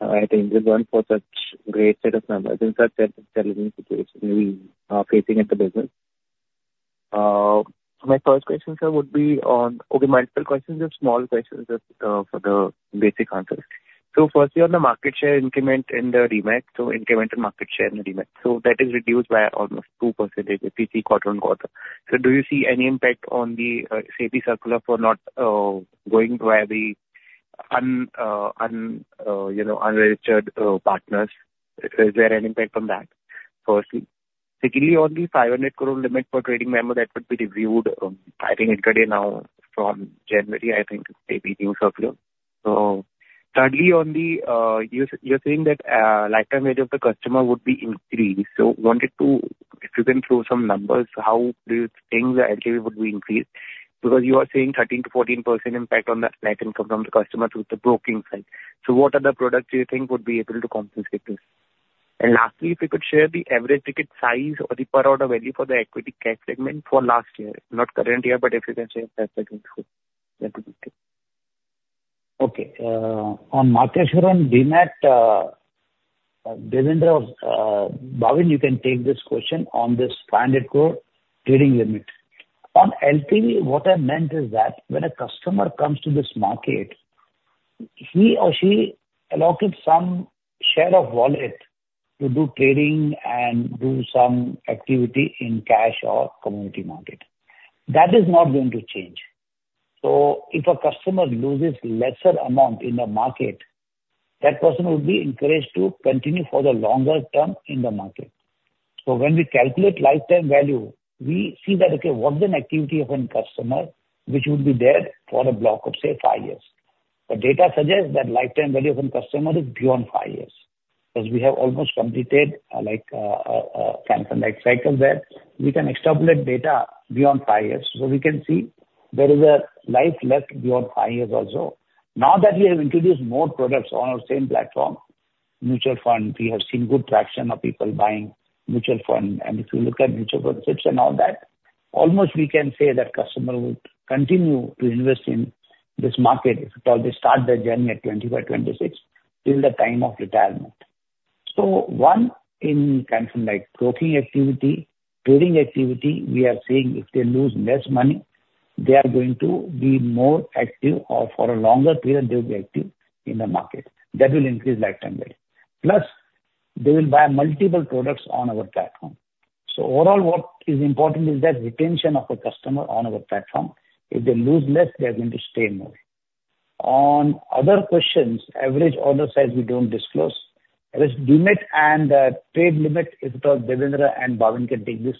I think we've gone for such great set of numbers in such a challenging situation we are facing as a business. My first question, sir, would be on multiple questions or small questions for the basic answers. Firstly, on the market share increment in the demat, incremental market share in the demat. That is reduced by almost 2% if we see quarter on quarter. Do you see any impact on the SEBI circular for not going via the unregistered partners? Is there any impact on that? Firstly. Secondly, on the 500 crore limit for trading member, that would be reviewed, I think, intraday now from January, I think, maybe new circular. Thirdly, on the you're saying that lifetime value of the customer would be increased. I wanted to, if you can throw some numbers, how do you think the LTV would be increased? Because you are saying 13% to 14% impact on the net income from the customer through the broking side. What other products do you think would be able to compensate this? And lastly, if you could share the average ticket size or the per-order value for the equity cash segment for last year, not current year, but if you can share that, that would be useful. On market share on demat, Devender or Bhavin, you can take this question on this standard core trading limit. On LTV, what I meant is that when a customer comes to this market, he or she allocates some share of wallet to do trading and do some activity in cash or commodity market. That is not going to change. So if a customer loses lesser amount in the market, that person would be encouraged to continue for the longer term in the market. So when we calculate lifetime value, we see that what's the activity of a customer which would be there for a block of, say, five years? The data suggests that lifetime value of a customer is beyond five years because we have almost completed a kind of cycle where we can extrapolate data beyond five years. We can see there is a life left beyond five years also. Now that we have introduced more products on our same platform, mutual fund, we have seen good traction of people buying mutual fund. If you look at mutual funds and all that, almost we can say that customers would continue to invest in this market if they start their journey at 25, 26 till the time of retirement. In kind of broking activity, trading activity, we are seeing if they lose less money, they are going to be more active or for a longer period, they will be active in the market. That will increase lifetime value. Plus, they will buy multiple products on our platform. Overall, what is important is that retention of a customer on our platform. If they lose less, they are going to stay more. On other questions, average order size we don't disclose. The limit and trade limit, if it was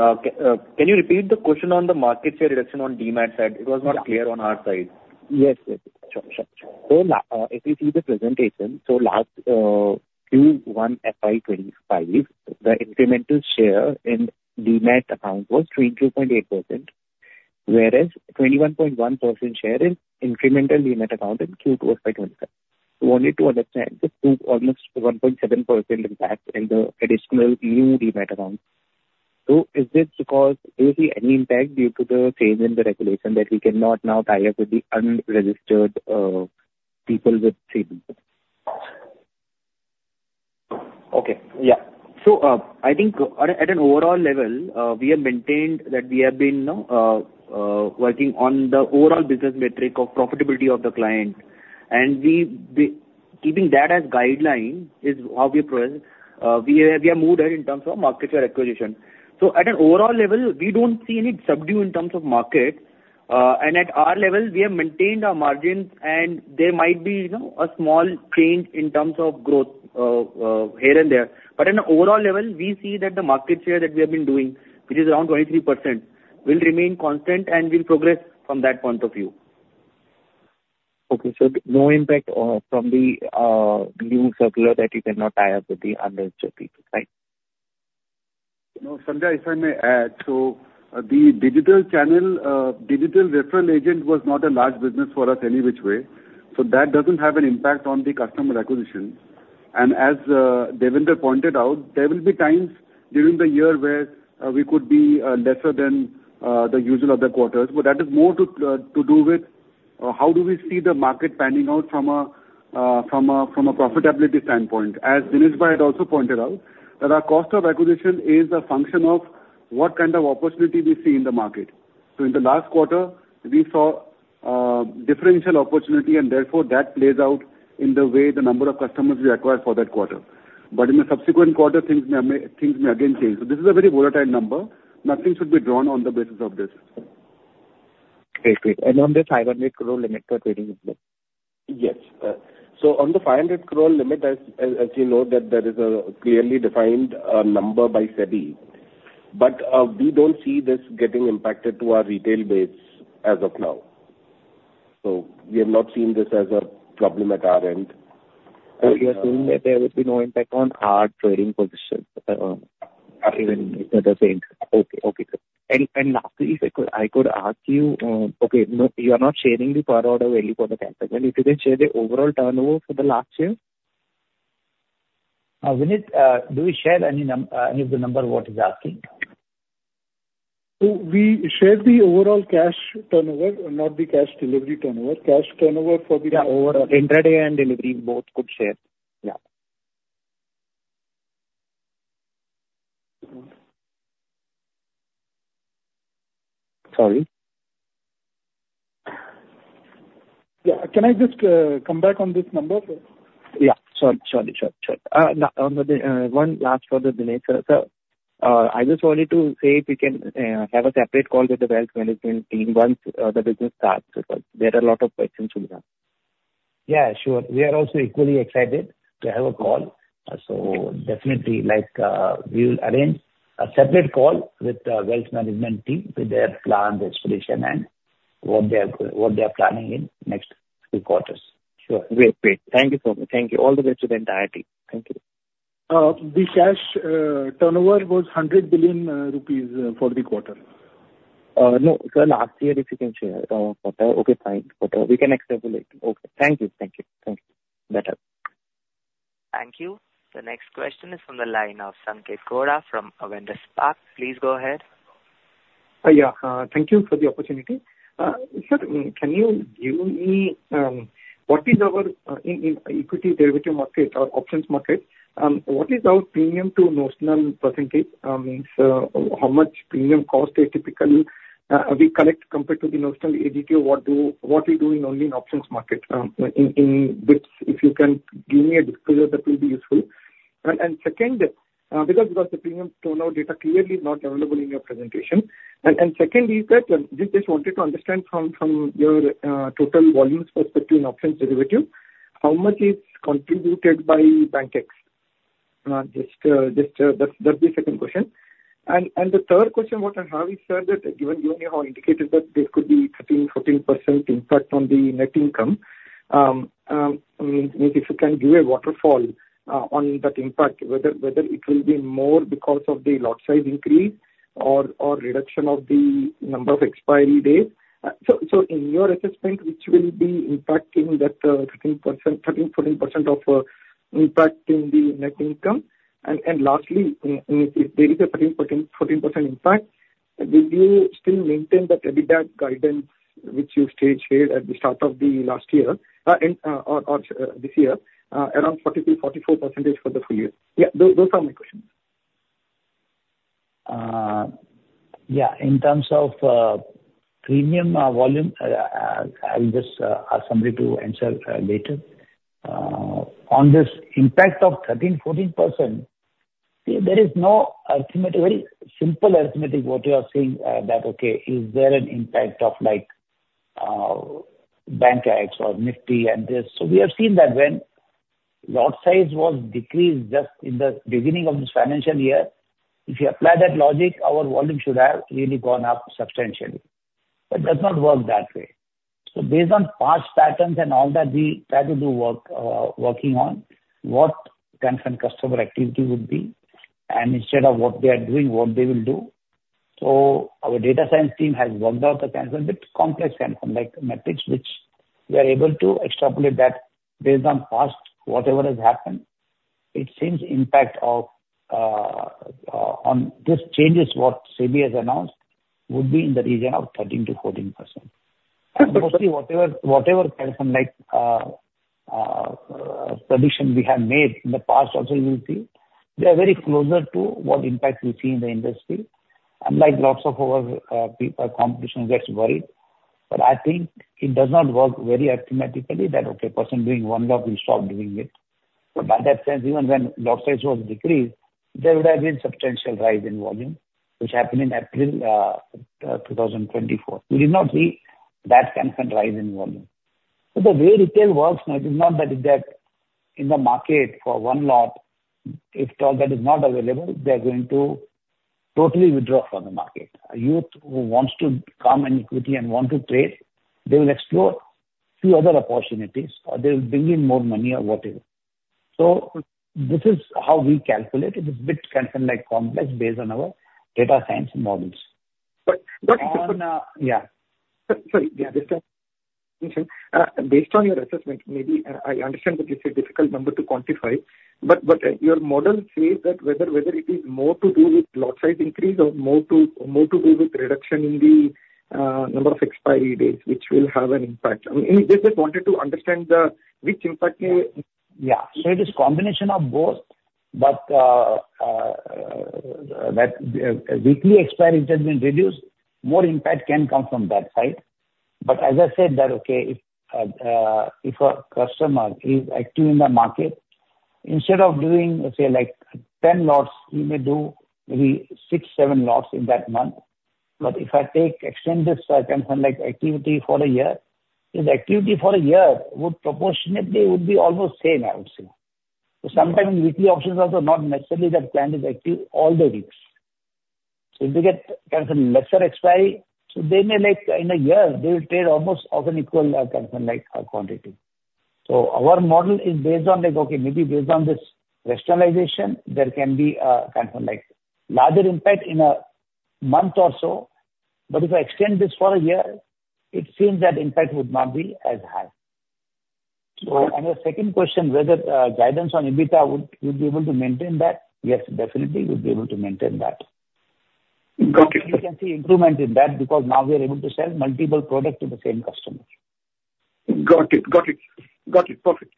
Devender and Bhavin can take this question. Can you repeat the question on the market share reduction on DMAT side? It was not clear on our side. Yes. Sure. If you see the presentation, last Q1 FY25, the incremental share in DMAT account was 22.8%, whereas 21.1% share in incremental DMAT account in Q2 FY25. Wanted to understand the almost 1.7% impact in the additional new DMAT account. Is this because you see any impact due to the change in the regulation that we cannot now tie up with the unregistered people with trade limits? Okay. Yeah. I think at an overall level, we have maintained that we have been working on the overall business metric of profitability of the client. Keeping that as guideline is how we proceed. We have moved ahead in terms of market share acquisition. At an overall level, we don't see any subdued in terms of market. At our level, we have maintained our margins, and there might be a small change in terms of growth here and there. But at an overall level, we see that the market share that we have been doing, which is around 23%, will remain constant and will progress from that point of view. Okay. So no impact from the new circular that you cannot tie up with the unregistered people, right? No, Sandhya, if I may add, the digital channel, digital referral agent was not a large business for us any which way. That doesn't have an impact on the customer acquisition. As Devender pointed out, there will be times during the year where we could be lesser than the usual other quarters. But that is more to do with how we see the market panning out from a profitability standpoint. As Dinesh Bhai had also pointed out, the cost of acquisition is a function of what kind of opportunity we see in the market. In the last quarter, we saw differential opportunity, and therefore that plays out in the way the number of customers we acquired for that quarter. But in the subsequent quarter, things may again change. This is a very volatile number. Nothing should be drawn on the basis of this. Okay. And on the 500 crore limit for trading impediment? Yes. On the 500 crore limit, as you know, there is a clearly defined number by SEBI. But we don't see this getting impacted to our retail base as of now. We have not seen this as a problem at our end. You're saying that there would be no impact on our trading position, even at the same time? Okay. And lastly, if I could ask you, you are not sharing the per-order value for the cash segment. If you can share the overall turnover for the last year? Do we share any of the numbers that are asking? We share the overall cash turnover, not the cash delivery turnover. Cash turnover for the. Yeah. Overall, intraday and delivery, both could share. Yeah. Sorry? Yeah. Can I just come back on this number? Sure. One last question for Dinesh sir. I just wanted to see if we can have a separate call with the wealth management team once the business starts. There are a lot of questions we have. Yeah. Sure. We are also equally excited to have a call. So definitely, we will arrange a separate call with the wealth management team with their plan, their solution, and what they are planning in next three quarters. Sure. Great. Great. Thank you so much. Thank you. All the best to the entire team. Thank you. The cash turnover was ₹100 billion for the quarter. No, sir. Last year, if you can share our quarter. Okay, fine. We can extrapolate. Okay. Thank you. Thank you. Thank you. Better. Thank you. The next question is from the line of Sanketh Godha from Avendus Spark. Please go ahead. Thank you for the opportunity. Sir, can you give me what is our equity derivative market or options market? What is our premium to notional percentage? How much premium cost is typical we collect compared to the notional ADT? What are we doing only in options market? If you can give me a disclosure, that will be useful. Second, because the premium turnover data clearly is not available in your presentation. Second is that we just wanted to understand from your total volumes perspective in options derivative, how much is contributed by banks? That's the second question. The third question I have is, sir, that given your indicator that there could be 13% to 14% impact on the net income, if you can give a waterfall on that impact, whether it will be more because of the lot size increase or reduction of the number of expiry days. So in your assessment, which will be impacting that 13% to 14% impact on the net income? Lastly, if there is a 13% to 14% impact, would you still maintain that EBITDA guidance which you shared at the start of last year or this year, around 43% to 44% for the full year? Those are my questions. Yeah. In terms of premium volume, I'll just ask somebody to answer later. On this impact of 13%, 14%, there is no very simple arithmetic what you are saying that, okay, is there an impact of Bank Nifty and this? So we have seen that when lot size was decreased just in the beginning of this financial year, if you apply that logic, our volume should have really gone up substantially. But it does not work that way. So based on past patterns and all that we try to do working on, what kind of customer activity would be? And instead of what they are doing, what they will do? So our data science team has worked out a kind of a bit complex kind of metrics, which we are able to extrapolate that based on past whatever has happened. It seems the impact of these changes what SEBI has announced would be in the region of 13% to 14%. Mostly whatever kind of prediction we have made in the past, you will see, they are very close to what impact we see in the industry. Unlike lots of our competition that gets worried. But I think it does not work very arithmetically that, okay, person doing one job, we stop doing it. But by that sense, even when lot size was decreased, there would have been substantial rise in volume, which happened in April 2024. We did not see that kind of rise in volume. So the way retail works now, it is not that in the market for one lot, if that is not available, they are going to totally withdraw from the market. A youth who wants to come in equity and want to trade, they will explore a few other opportunities, or they will bring in more money or whatever. So this is how we calculate it. It's a bit complex based on our data science models. But on. Yeah. Sorry. Yeah. Based on your assessment, maybe I understand that you say difficult number to quantify. But your model says that whether it is more to do with lot size increase or more to do with reduction in the number of expiry days, which will have an impact. I mean, I just wanted to understand which impact may be greater. So it is a combination of both. But weekly expiry has been reduced. More impact can come from that side. But as I said, if a customer is active in the market, instead of doing, say, 10 lots, he may do maybe six, seven lots in that month. But if I take extended circumstances like activity for a year, his activity for a year would proportionately be almost the same, I would say. So sometimes in weekly options, also not necessarily that client is active all the weeks. So if they get kind of a lesser expiry, so then in a year, they will trade almost of an equal kind of quantity. So our model is based on, maybe based on this rationalization, there can be kind of a larger impact in a month or so. But if I extend this for a year, it seems that impact would not be as high. On your second question, whether guidance on EBITDA would be able to maintain that, yes, definitely would be able to maintain that. Got it. We can see improvement in that because now we are able to sell multiple products to the same customer. Got it. Got it. Got it. Perfect.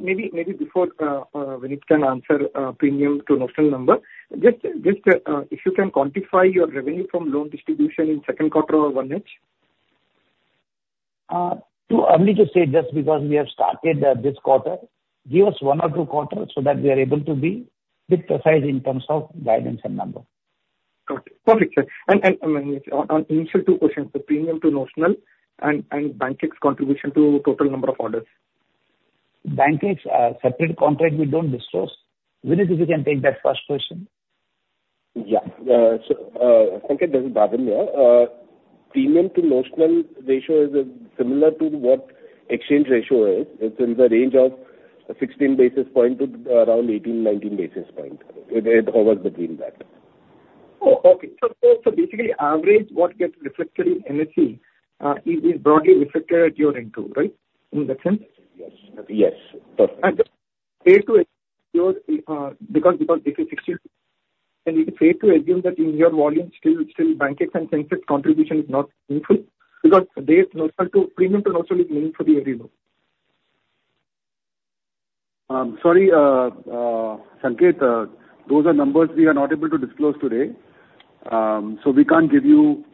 Maybe before Dinesh can answer premium to notional number, just if you can quantify your revenue from loan distribution in second quarter or one-half. To only just say just because we have started this quarter, give us one or two quarters so that we are able to be a bit precise in terms of guidance and number. Got it. Perfect, sir. And on initial two questions, the premium to notional and banks' contribution to total number of orders. Banks are separate contract. We don't disclose. Dinesh, if you can take that first question. Yeah. Thank you, Dinesh. Bhavin. Premium to notional ratio is similar to what exchange ratio is. It's in the range of 16 basis points to around 18, 19 basis points. It hovers between that. Okay. So basically, average what gets reflected in NSE is broadly reflected at year end too, right? In that sense? Yes. Yes. Perfect. And just trade to because if it's 16, and if it's trade to, assume that in your volume, still banks' contribution is not meaningful because premium to notional is meaningful to your revenue. Sorry, Sankeet, those are numbers we are not able to disclose today. So we can't give you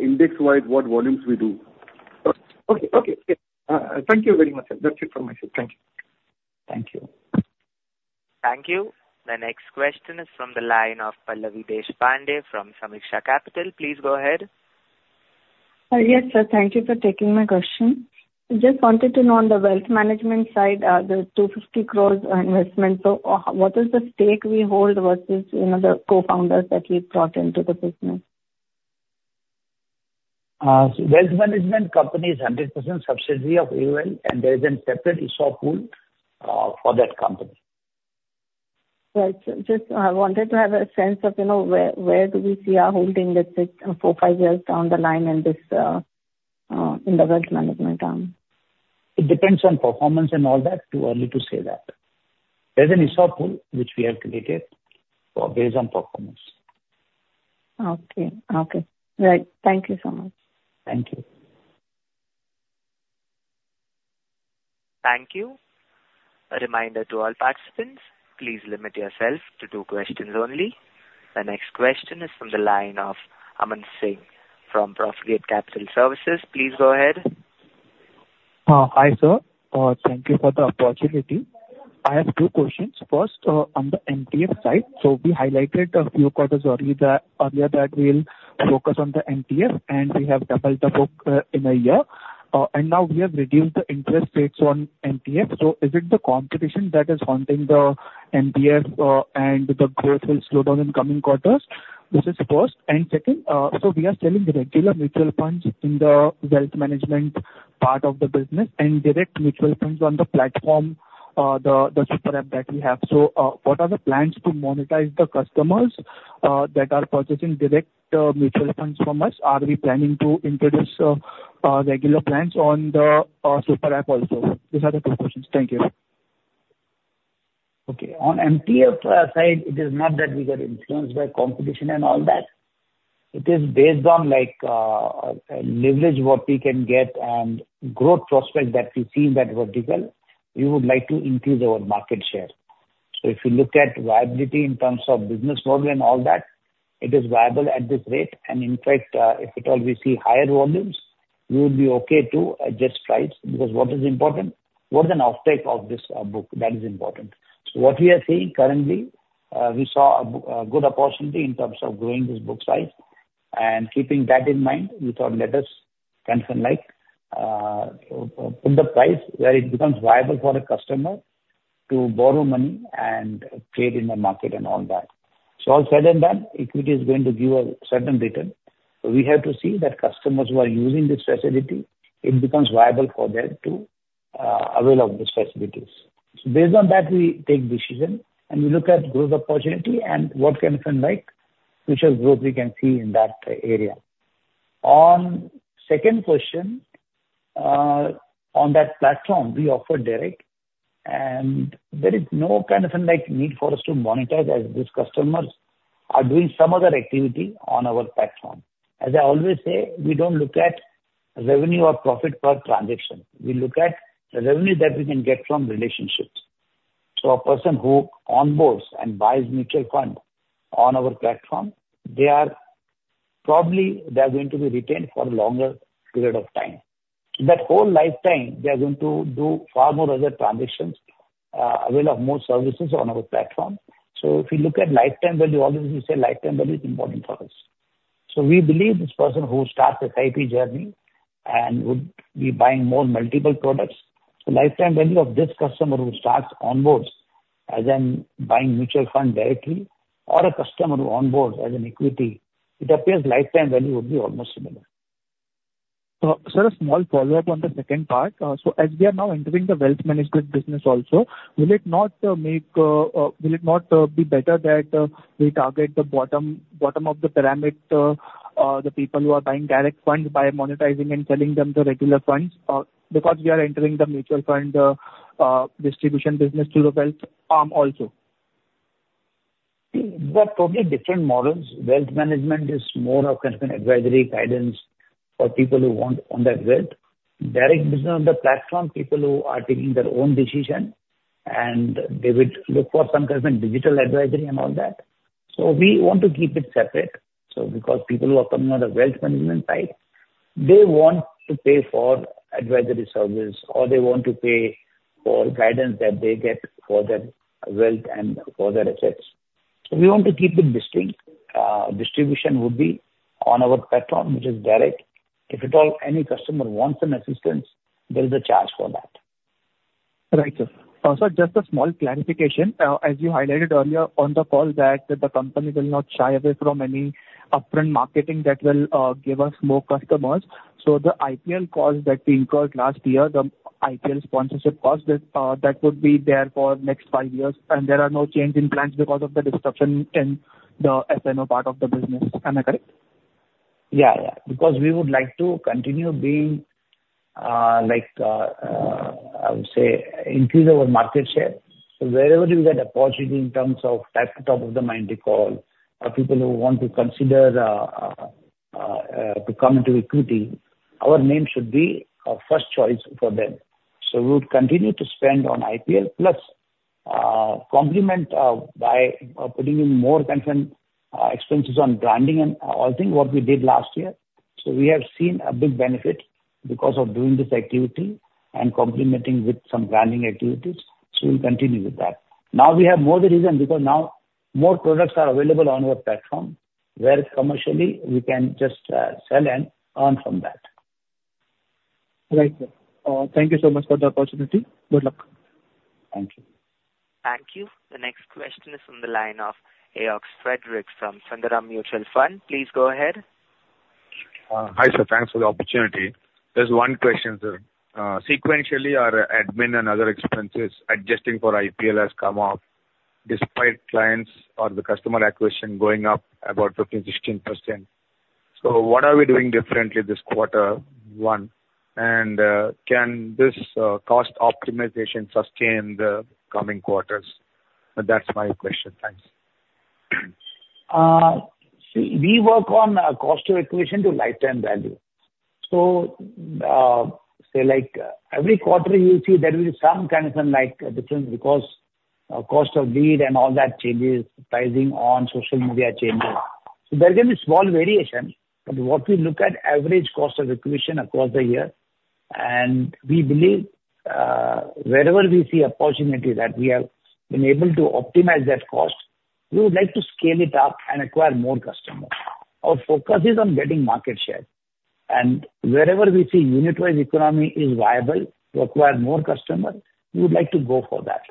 index-wise what volumes we do. Okay. Okay. Thank you very much, sir. That's it from my side. Thank you. Thank you. Thank you. The next question is from the line of Pallavi Deshpande from Sameeksha Capital. Please go ahead. Yes, sir. Thank you for taking my question. I just wanted to know on the wealth management side, the 250 crore investment, so what is the stake we hold versus the co-founders that we brought into the business? Wealth management company is 100% subsidiary of Angel One, and there is a separate ESOP pool for that company. Right. I wanted to have a sense of where do we see our holding four, five years down the line in the wealth management arm? It depends on performance and all that. Too early to say that. There's an ESOP pool which we have created based on performance. Okay. Okay. Right. Thank you so much. Thank you. Thank you. A reminder to all participants, please limit yourself to two questions only. The next question is from the line of Aman Singh from Profigate Capital Services. Please go ahead. Hi, sir. Thank you for the opportunity. I have two questions. First, on the MTF side, we highlighted a few quarters earlier that we'll focus on the MTF, and we have doubled the book in a year. Now we have reduced the interest rates on MTF. So is it the competition that is haunting the MTF, and the growth will slow down in coming quarters? This is first. Second, we are selling regular mutual funds in the wealth management part of the business and direct mutual funds on the platform, the Super App that we have. What are the plans to monetize the customers that are purchasing direct mutual funds from us? Are we planning to introduce regular plans on the Super App also? These are the two questions. Thank you. On MTF side, it is not that we got influenced by competition and all that. It is based on leverage what we can get and growth prospect that we see in that vertical. We would like to increase our market share. So if you look at viability in terms of business model and all that, it is viable at this rate. In fact, if at all we see higher volumes, we would be okay to adjust price because what is important? What is the offtake of this book? That is important. So what we are seeing currently, we saw a good opportunity in terms of growing this book size. Keeping that in mind, we thought let us put the price where it becomes viable for a customer to borrow money and trade in the market and all that. All said and done, equity is going to give a certain return. We have to see that customers who are using this facility, it becomes viable for them to avail of these facilities. Based on that, we take decision and we look at growth opportunity and what kind of growth we can see in that area. On second question, on that platform, we offer direct, and there is no kind of need for us to monetize as these customers are doing some other activity on our platform. As I always say, we don't look at revenue or profit per transaction. We look at the revenue that we can get from relationships. A person who onboards and buys mutual fund on our platform, they are probably going to be retained for a longer period of time. That whole lifetime, they are going to do far more other transactions, avail of more services on our platform. So if you look at lifetime value, obviously lifetime value is important for us. So we believe this person who starts SIP journey and would be buying more multiple products, the lifetime value of this customer who starts onboards as buying mutual fund directly or a customer who onboards as an equity, it appears lifetime value would be almost similar. A small follow-up on the second part. As we are now entering the wealth management business also, will it not be better that we target the bottom of the pyramid, the people who are buying direct funds by monetizing and selling them the regular funds because we are entering the mutual fund distribution business to the wealth arm also? We have totally different models. Wealth management is more of kind of an advisory guidance for people who want on that wealth. Direct business on the platform, people who are taking their own decision, and they would look for some kind of digital advisory and all that. So we want to keep it separate. Because people who are coming on the wealth management side, they want to pay for advisory service or they want to pay for guidance that they get for their wealth and for their assets. We want to keep it distinct. Distribution would be on our platform, which is direct. If at all any customer wants some assistance, there is a charge for that. Right. Also, just a small clarification. As you highlighted earlier on the call that the company will not shy away from any upfront marketing that will give us more customers. So the IPL cost that we incurred last year, the IPL sponsorship cost, that would be there for next five years. There are no change in plans because of the disruption in the F&O part of the business. Am I correct? Yeah. Yeah. Because we would like to continue being, I would say, increase our market share. So wherever you get opportunity in terms of top-of-the-mind people who want to consider to come into equity, our name should be our first choice for them. We would continue to spend on IPL plus complement by putting in more expenses on branding and all things what we did last year. We have seen a big benefit because of doing this activity and complementing with some branding activities. We'll continue with that. Now we have more reason because now more products are available on our platform where commercially we can just sell and earn from that. Right. Thank you so much for the opportunity. Good luck. Thank you. Thank you. The next question is from the line of Ajox Frederick from Sundaram Mutual Fund. Please go ahead. Hi, sir. Thanks for the opportunity. There's one question, sir. Sequentially, our admin and other expenses adjusting for IPL has come up despite clients or the customer acquisition going up about 15%, 16%. So what are we doing differently this quarter one? And can this cost optimization sustain the coming quarters? That's my question. Thanks. We work on cost of acquisition to lifetime value. Every quarter, you'll see there will be some kind of difference because cost of lead and all that changes, pricing on social media changes. There can be small variation. But what we look at, average cost of acquisition across the year. We believe wherever we see opportunity that we have been able to optimize that cost, we would like to scale it up and acquire more customers. Our focus is on getting market share. Wherever we see unit-wise economy is viable to acquire more customers, we would like to go for that.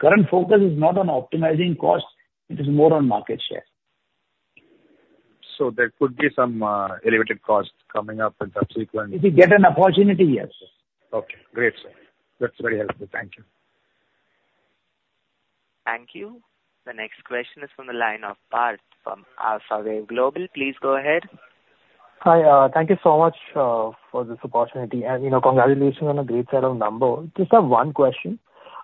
Current focus is not on optimizing cost. It is more on market share. There could be some elevated cost coming up subsequently? If you get an opportunity, yes. Okay. Great, sir. That's very helpful. Thank you. Thank you. The next question is from the line of Parth from Alpha Wave Global. Please go ahead. Hi. Thank you so much for this opportunity. Congratulations on a great set of numbers. Just have one question.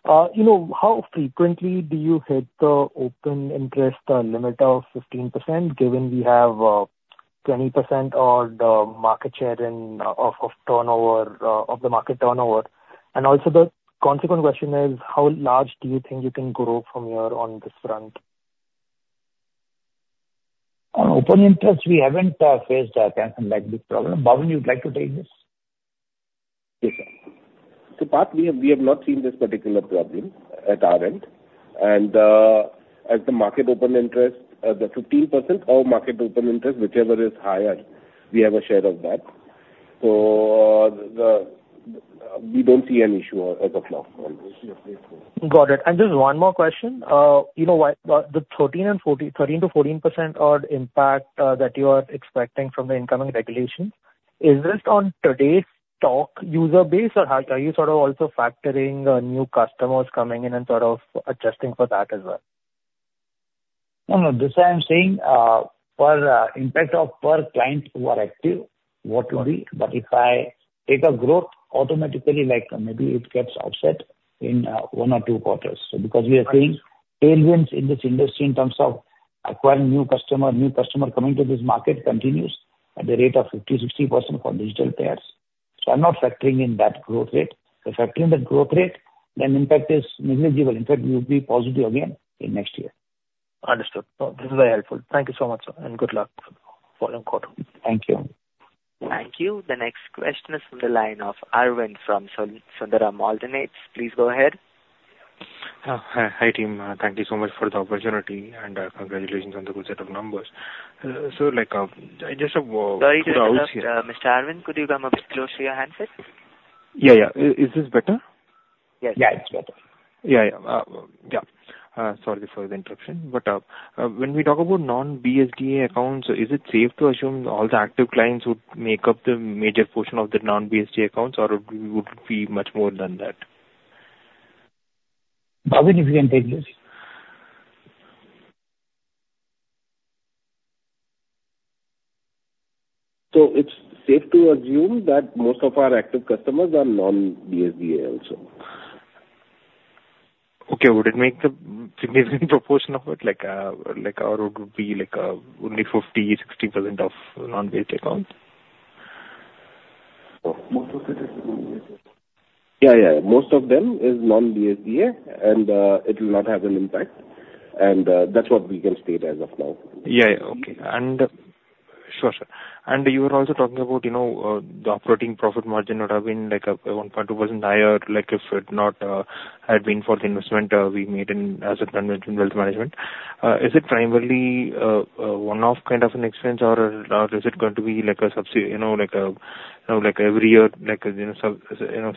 How frequently do you hit the open interest limit of 15% given we have 20% of the market share of the market turnover? Also the consequent question is, how large do you think you can grow from here on this front? On open interest, we haven't faced a kind of big problem. Bhavin, you'd like to take this? Yes, sir. Part of this, we have not seen this particular problem at our end. As the market open interest, the 15% of market open interest, whichever is higher, we have a share of that. We don't see an issue as of now. Got it. Just one more question. The 13% to 14% impact that you are expecting from the incoming regulations, is this on today's stock user base or are you also factoring new customers coming in and adjusting for that as well? No, no. This I am saying for impact of per client who are active, what will be. But if I take a growth, automatically, maybe it gets offset in one or two quarters. Because we are seeing tailwinds in this industry in terms of acquiring new customers, new customers coming to this market continues at the rate of 50%, 60% for digital pairs. I'm not factoring in that growth rate. Factoring the growth rate, then impact is negligible. In fact, we will be positive again in next year. Understood. This is very helpful. Thank you so much, sir. Good luck for the quarter. Thank you. Thank you. The next question is from the line of Arvind from Sundaram Alternates. Please go ahead. Hi, team. Thank you so much for the opportunity and congratulations on the good set of numbers. Just a quick. Sorry to interrupt, Mr. Arvind. Could you come up close to your handset? Yeah, yeah. Is this better? Yes. Yeah, it's better. Sorry for the interruption. But when we talk about non-BSDA accounts, is it safe to assume all the active clients would make up the major portion of the non-BSDA accounts or would it be much more than that? Bhavin, if you can take this. It's safe to assume that most of our active customers are non-BSDA also. Would it make a significant proportion of it? Or would it be only 50%, 60% of non-BSDA accounts? Yeah, yeah. Most of them is non-BSDA and it will not have an impact. That's what we can state as of now. And you were also talking about the operating profit margin would have been 1.2% higher if it had not been for the investment we made in asset management, wealth management. Is it primarily one-off kind of an expense or is it going to be a subsequent every year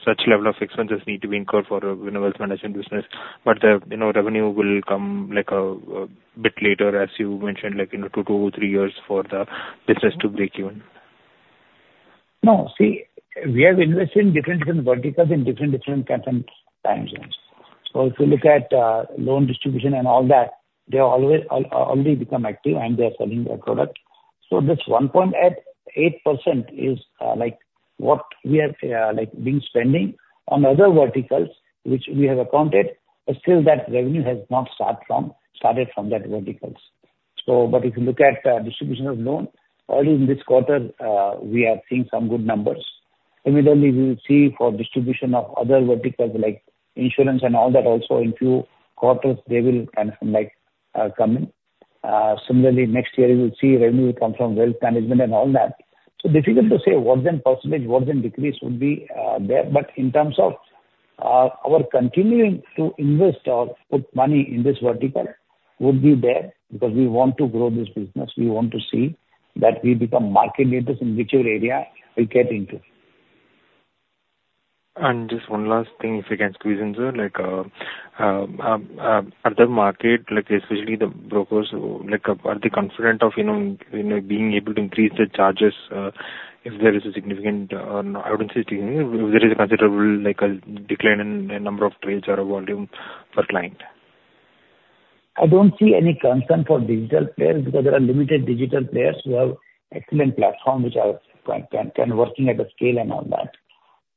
such level of expenses need to be incurred for a wealth management business, but the revenue will come a bit later as you mentioned two to three years for the business to break even? No. See, we have invested in different verticals in different kinds of timelines. If you look at loan distribution and all that, they already become active and they're selling their product. This 1.8% is what we have been spending on other verticals which we have accounted, but still that revenue has not started from that verticals. But if you look at the distribution of loan, already in this quarter, we are seeing some good numbers. Immediately, we will see for distribution of other verticals like insurance and all that also in a few quarters, they will kind of come in. Similarly, next year, you will see revenue come from wealth management and all that. Difficult to say what's in percentage, what's in decrease would be there. But in terms of our continuing to invest or put money in this vertical would be there because we want to grow this business. We want to see that we become market leaders in whichever area we get into. Just one last thing, if I can squeeze in, sir, at the market, especially the brokers, are they confident of being able to increase the charges if there is a considerable decline in number of trades or volume per client? I don't see any concern for digital players because there are limited digital players who have excellent platforms which are working at a scale and all that.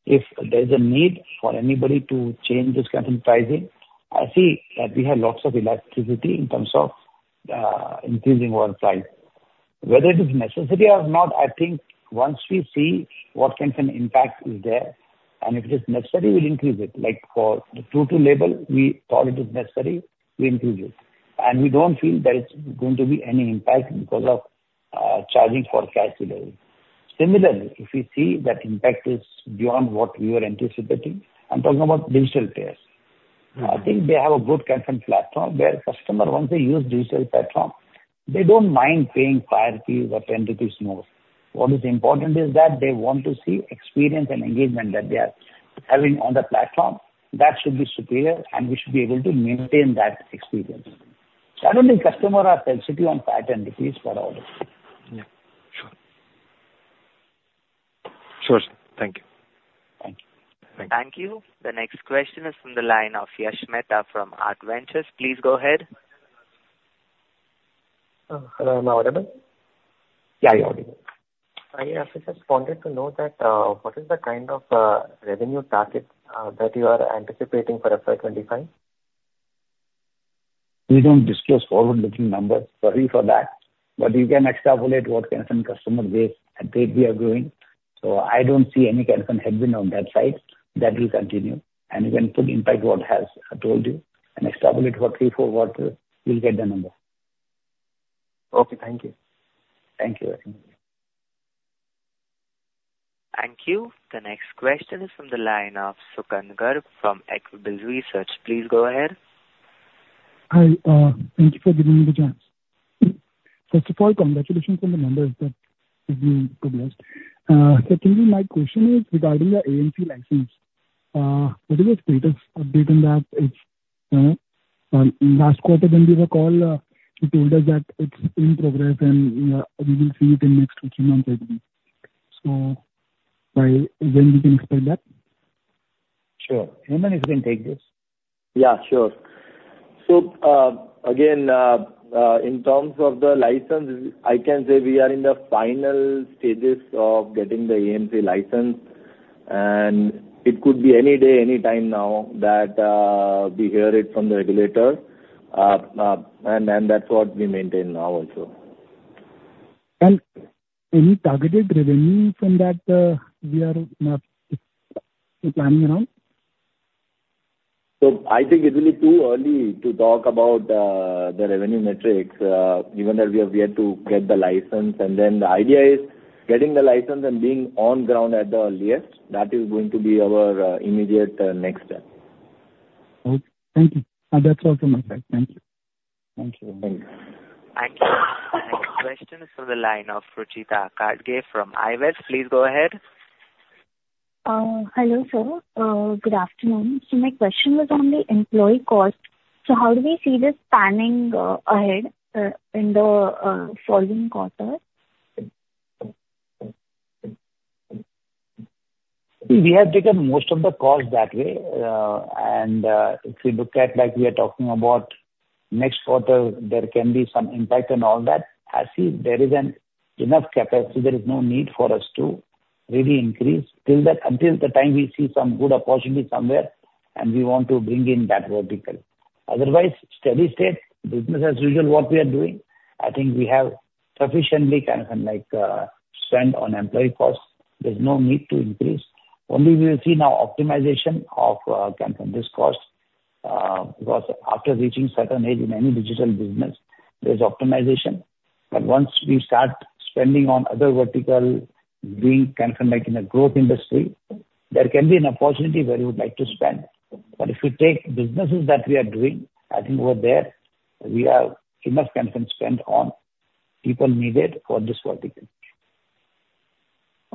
If there's a need for anybody to change this kind of pricing, I see that we have lots of elasticity in terms of increasing our price. Whether it is necessary or not, I think once we see what kind of impact is there and if it is necessary, we'll increase it. For the two-wheeler label, we thought it is necessary, we increase it. We don't feel there is going to be any impact because of charging for cash on delivery. Similarly, if we see that impact is beyond what we were anticipating, I'm talking about digital players. I think they have a good kind of platform where customers, once they use digital platform, they don't mind paying ₹5 or ₹10 more. What is important is that they want to see experience and engagement that they are having on the platform. That should be superior and we should be able to maintain that experience. I don't think customers are sensitive on INR 5, INR 10 for all this. Yeah. Sure. Sure, sir. Thank you. Thank you. Thank you. The next question is from the line of Yash Mehta from Artha Ventures. Please go ahead. Hello. I'm Awareba. Yeah, you're audible. Sorry, I just wanted to know what is the kind of revenue target that you are anticipating for FY25? We don't disclose forward-looking numbers. Sorry for that. But you can extrapolate what kind of customer base that we are growing. I don't see any kind of headwind on that side that will continue. You can put in fact what has told you and extrapolate for three, four quarters, you'll get the number. Okay. Thank you. Thank you very much. Thank you. The next question is from the line of Shubhankar from Equirus Securities. Please go ahead. Hi. Thank you for giving me the chance. First of all, congratulations on the numbers. That is good. Secondly, my question is regarding the AMC license. What is the status update on that? Last quarter, when we were called, you told us that it's in progress and we will see it in the next two to three months, I believe. So when can we expect that? Sure. Hemen, if you can take this. Yeah, sure. So again, in terms of the license, I can say we are in the final stages of getting the AMC license. It could be any day, any time now that we hear it from the regulator. That's what we maintain now also. And any targeted revenue from that we are planning around? I think it will be too early to talk about the revenue metrics given that we have yet to get the license. The idea is getting the license and being on ground at the earliest. That is going to be our immediate next step. Okay. Thank you. That's all from my side. Thank you. Thank you. Thank you. Thank you. The next question is from the line of Ruchita Kharge from Aves. Please go ahead. Hello, sir. Good afternoon. My question was on the employee cost. How do we see this panning ahead in the following quarter? We have taken most of the cost that way. If you look at like we are talking about next quarter, there can be some impact and all that. I see there is enough capacity. There is no need for us to really increase until the time we see some good opportunity somewhere and we want to bring in that vertical. Otherwise, steady state, business as usual, what we are doing. I think we have sufficiently spent on employee cost. There's no need to increase. Only we will see now optimization of this cost because after reaching certain age in any digital business, there's optimization. But once we start spending on other vertical, being in a growth industry, there can be an opportunity where you would like to spend. But if you take businesses that we are doing, I think over there, we have enough kind of spend on people needed for this vertical.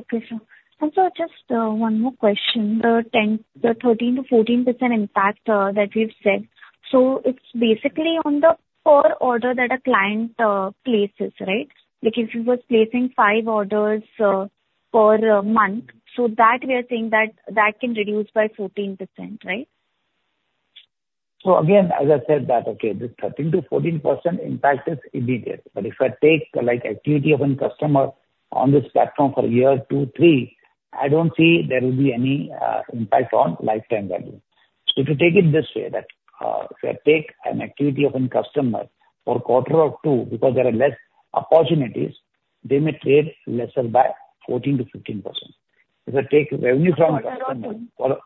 Okay, sir. And sir, just one more question. The 13% to 14% impact that we've said, so it's basically on the per order that a client places, right? If he was placing five orders per month, so that we are saying that that can reduce by 14%, right? Again, as I said, the 13% to 14% impact is immediate. But if I take the activity of a customer on this platform for a year, two, three, I don't see there will be any impact on lifetime value. If you take it this way, if I take an activity of a customer for a quarter or two because there are less opportunities, they may trade lesser by 14% to 15%. If I take revenue from a customer for a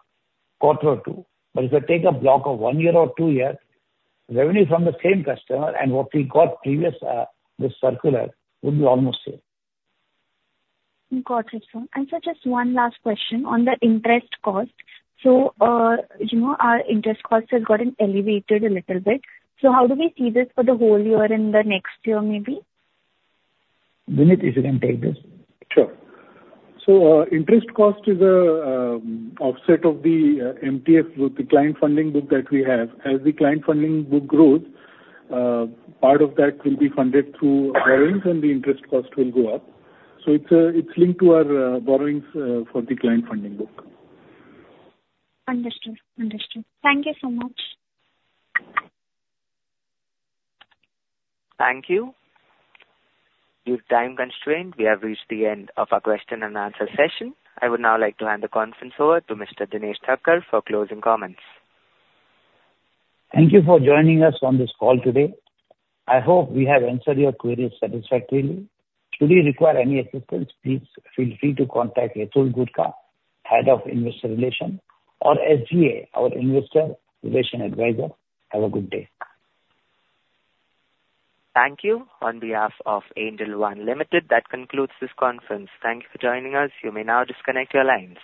quarter or two, but if I take a block of one year or two years, revenue from the same customer and what we got previous, the circular, would be almost the same. Got it, sir. Just one last question on the interest cost. Our interest cost has gotten elevated a little bit. How do we see this for the whole year and the next year maybe? Vineet, if you can take this. Interest cost is an offset of the MTF, the client funding book that we have. As the client funding book grows, part of that will be funded through borrowings and the interest cost will go up. It's linked to our borrowings for the client funding book. Understood. Understood. Thank you so much. Thank you. Due to time constraints, we have reached the end of our question and answer session. I would now like to hand the conference over to Mr. Dinesh Thakkar for closing comments. Thank you for joining us on this call today. I hope we have answered your queries satisfactorily. Should you require any assistance, please feel free to contact Hitul Gutka, Head of Investor Relations, or SGA, our Investor Relations Advisor. Have a good day. Thank you. On behalf of Angel One Limited, that concludes this conference. Thank you for joining us. You may now disconnect your lines.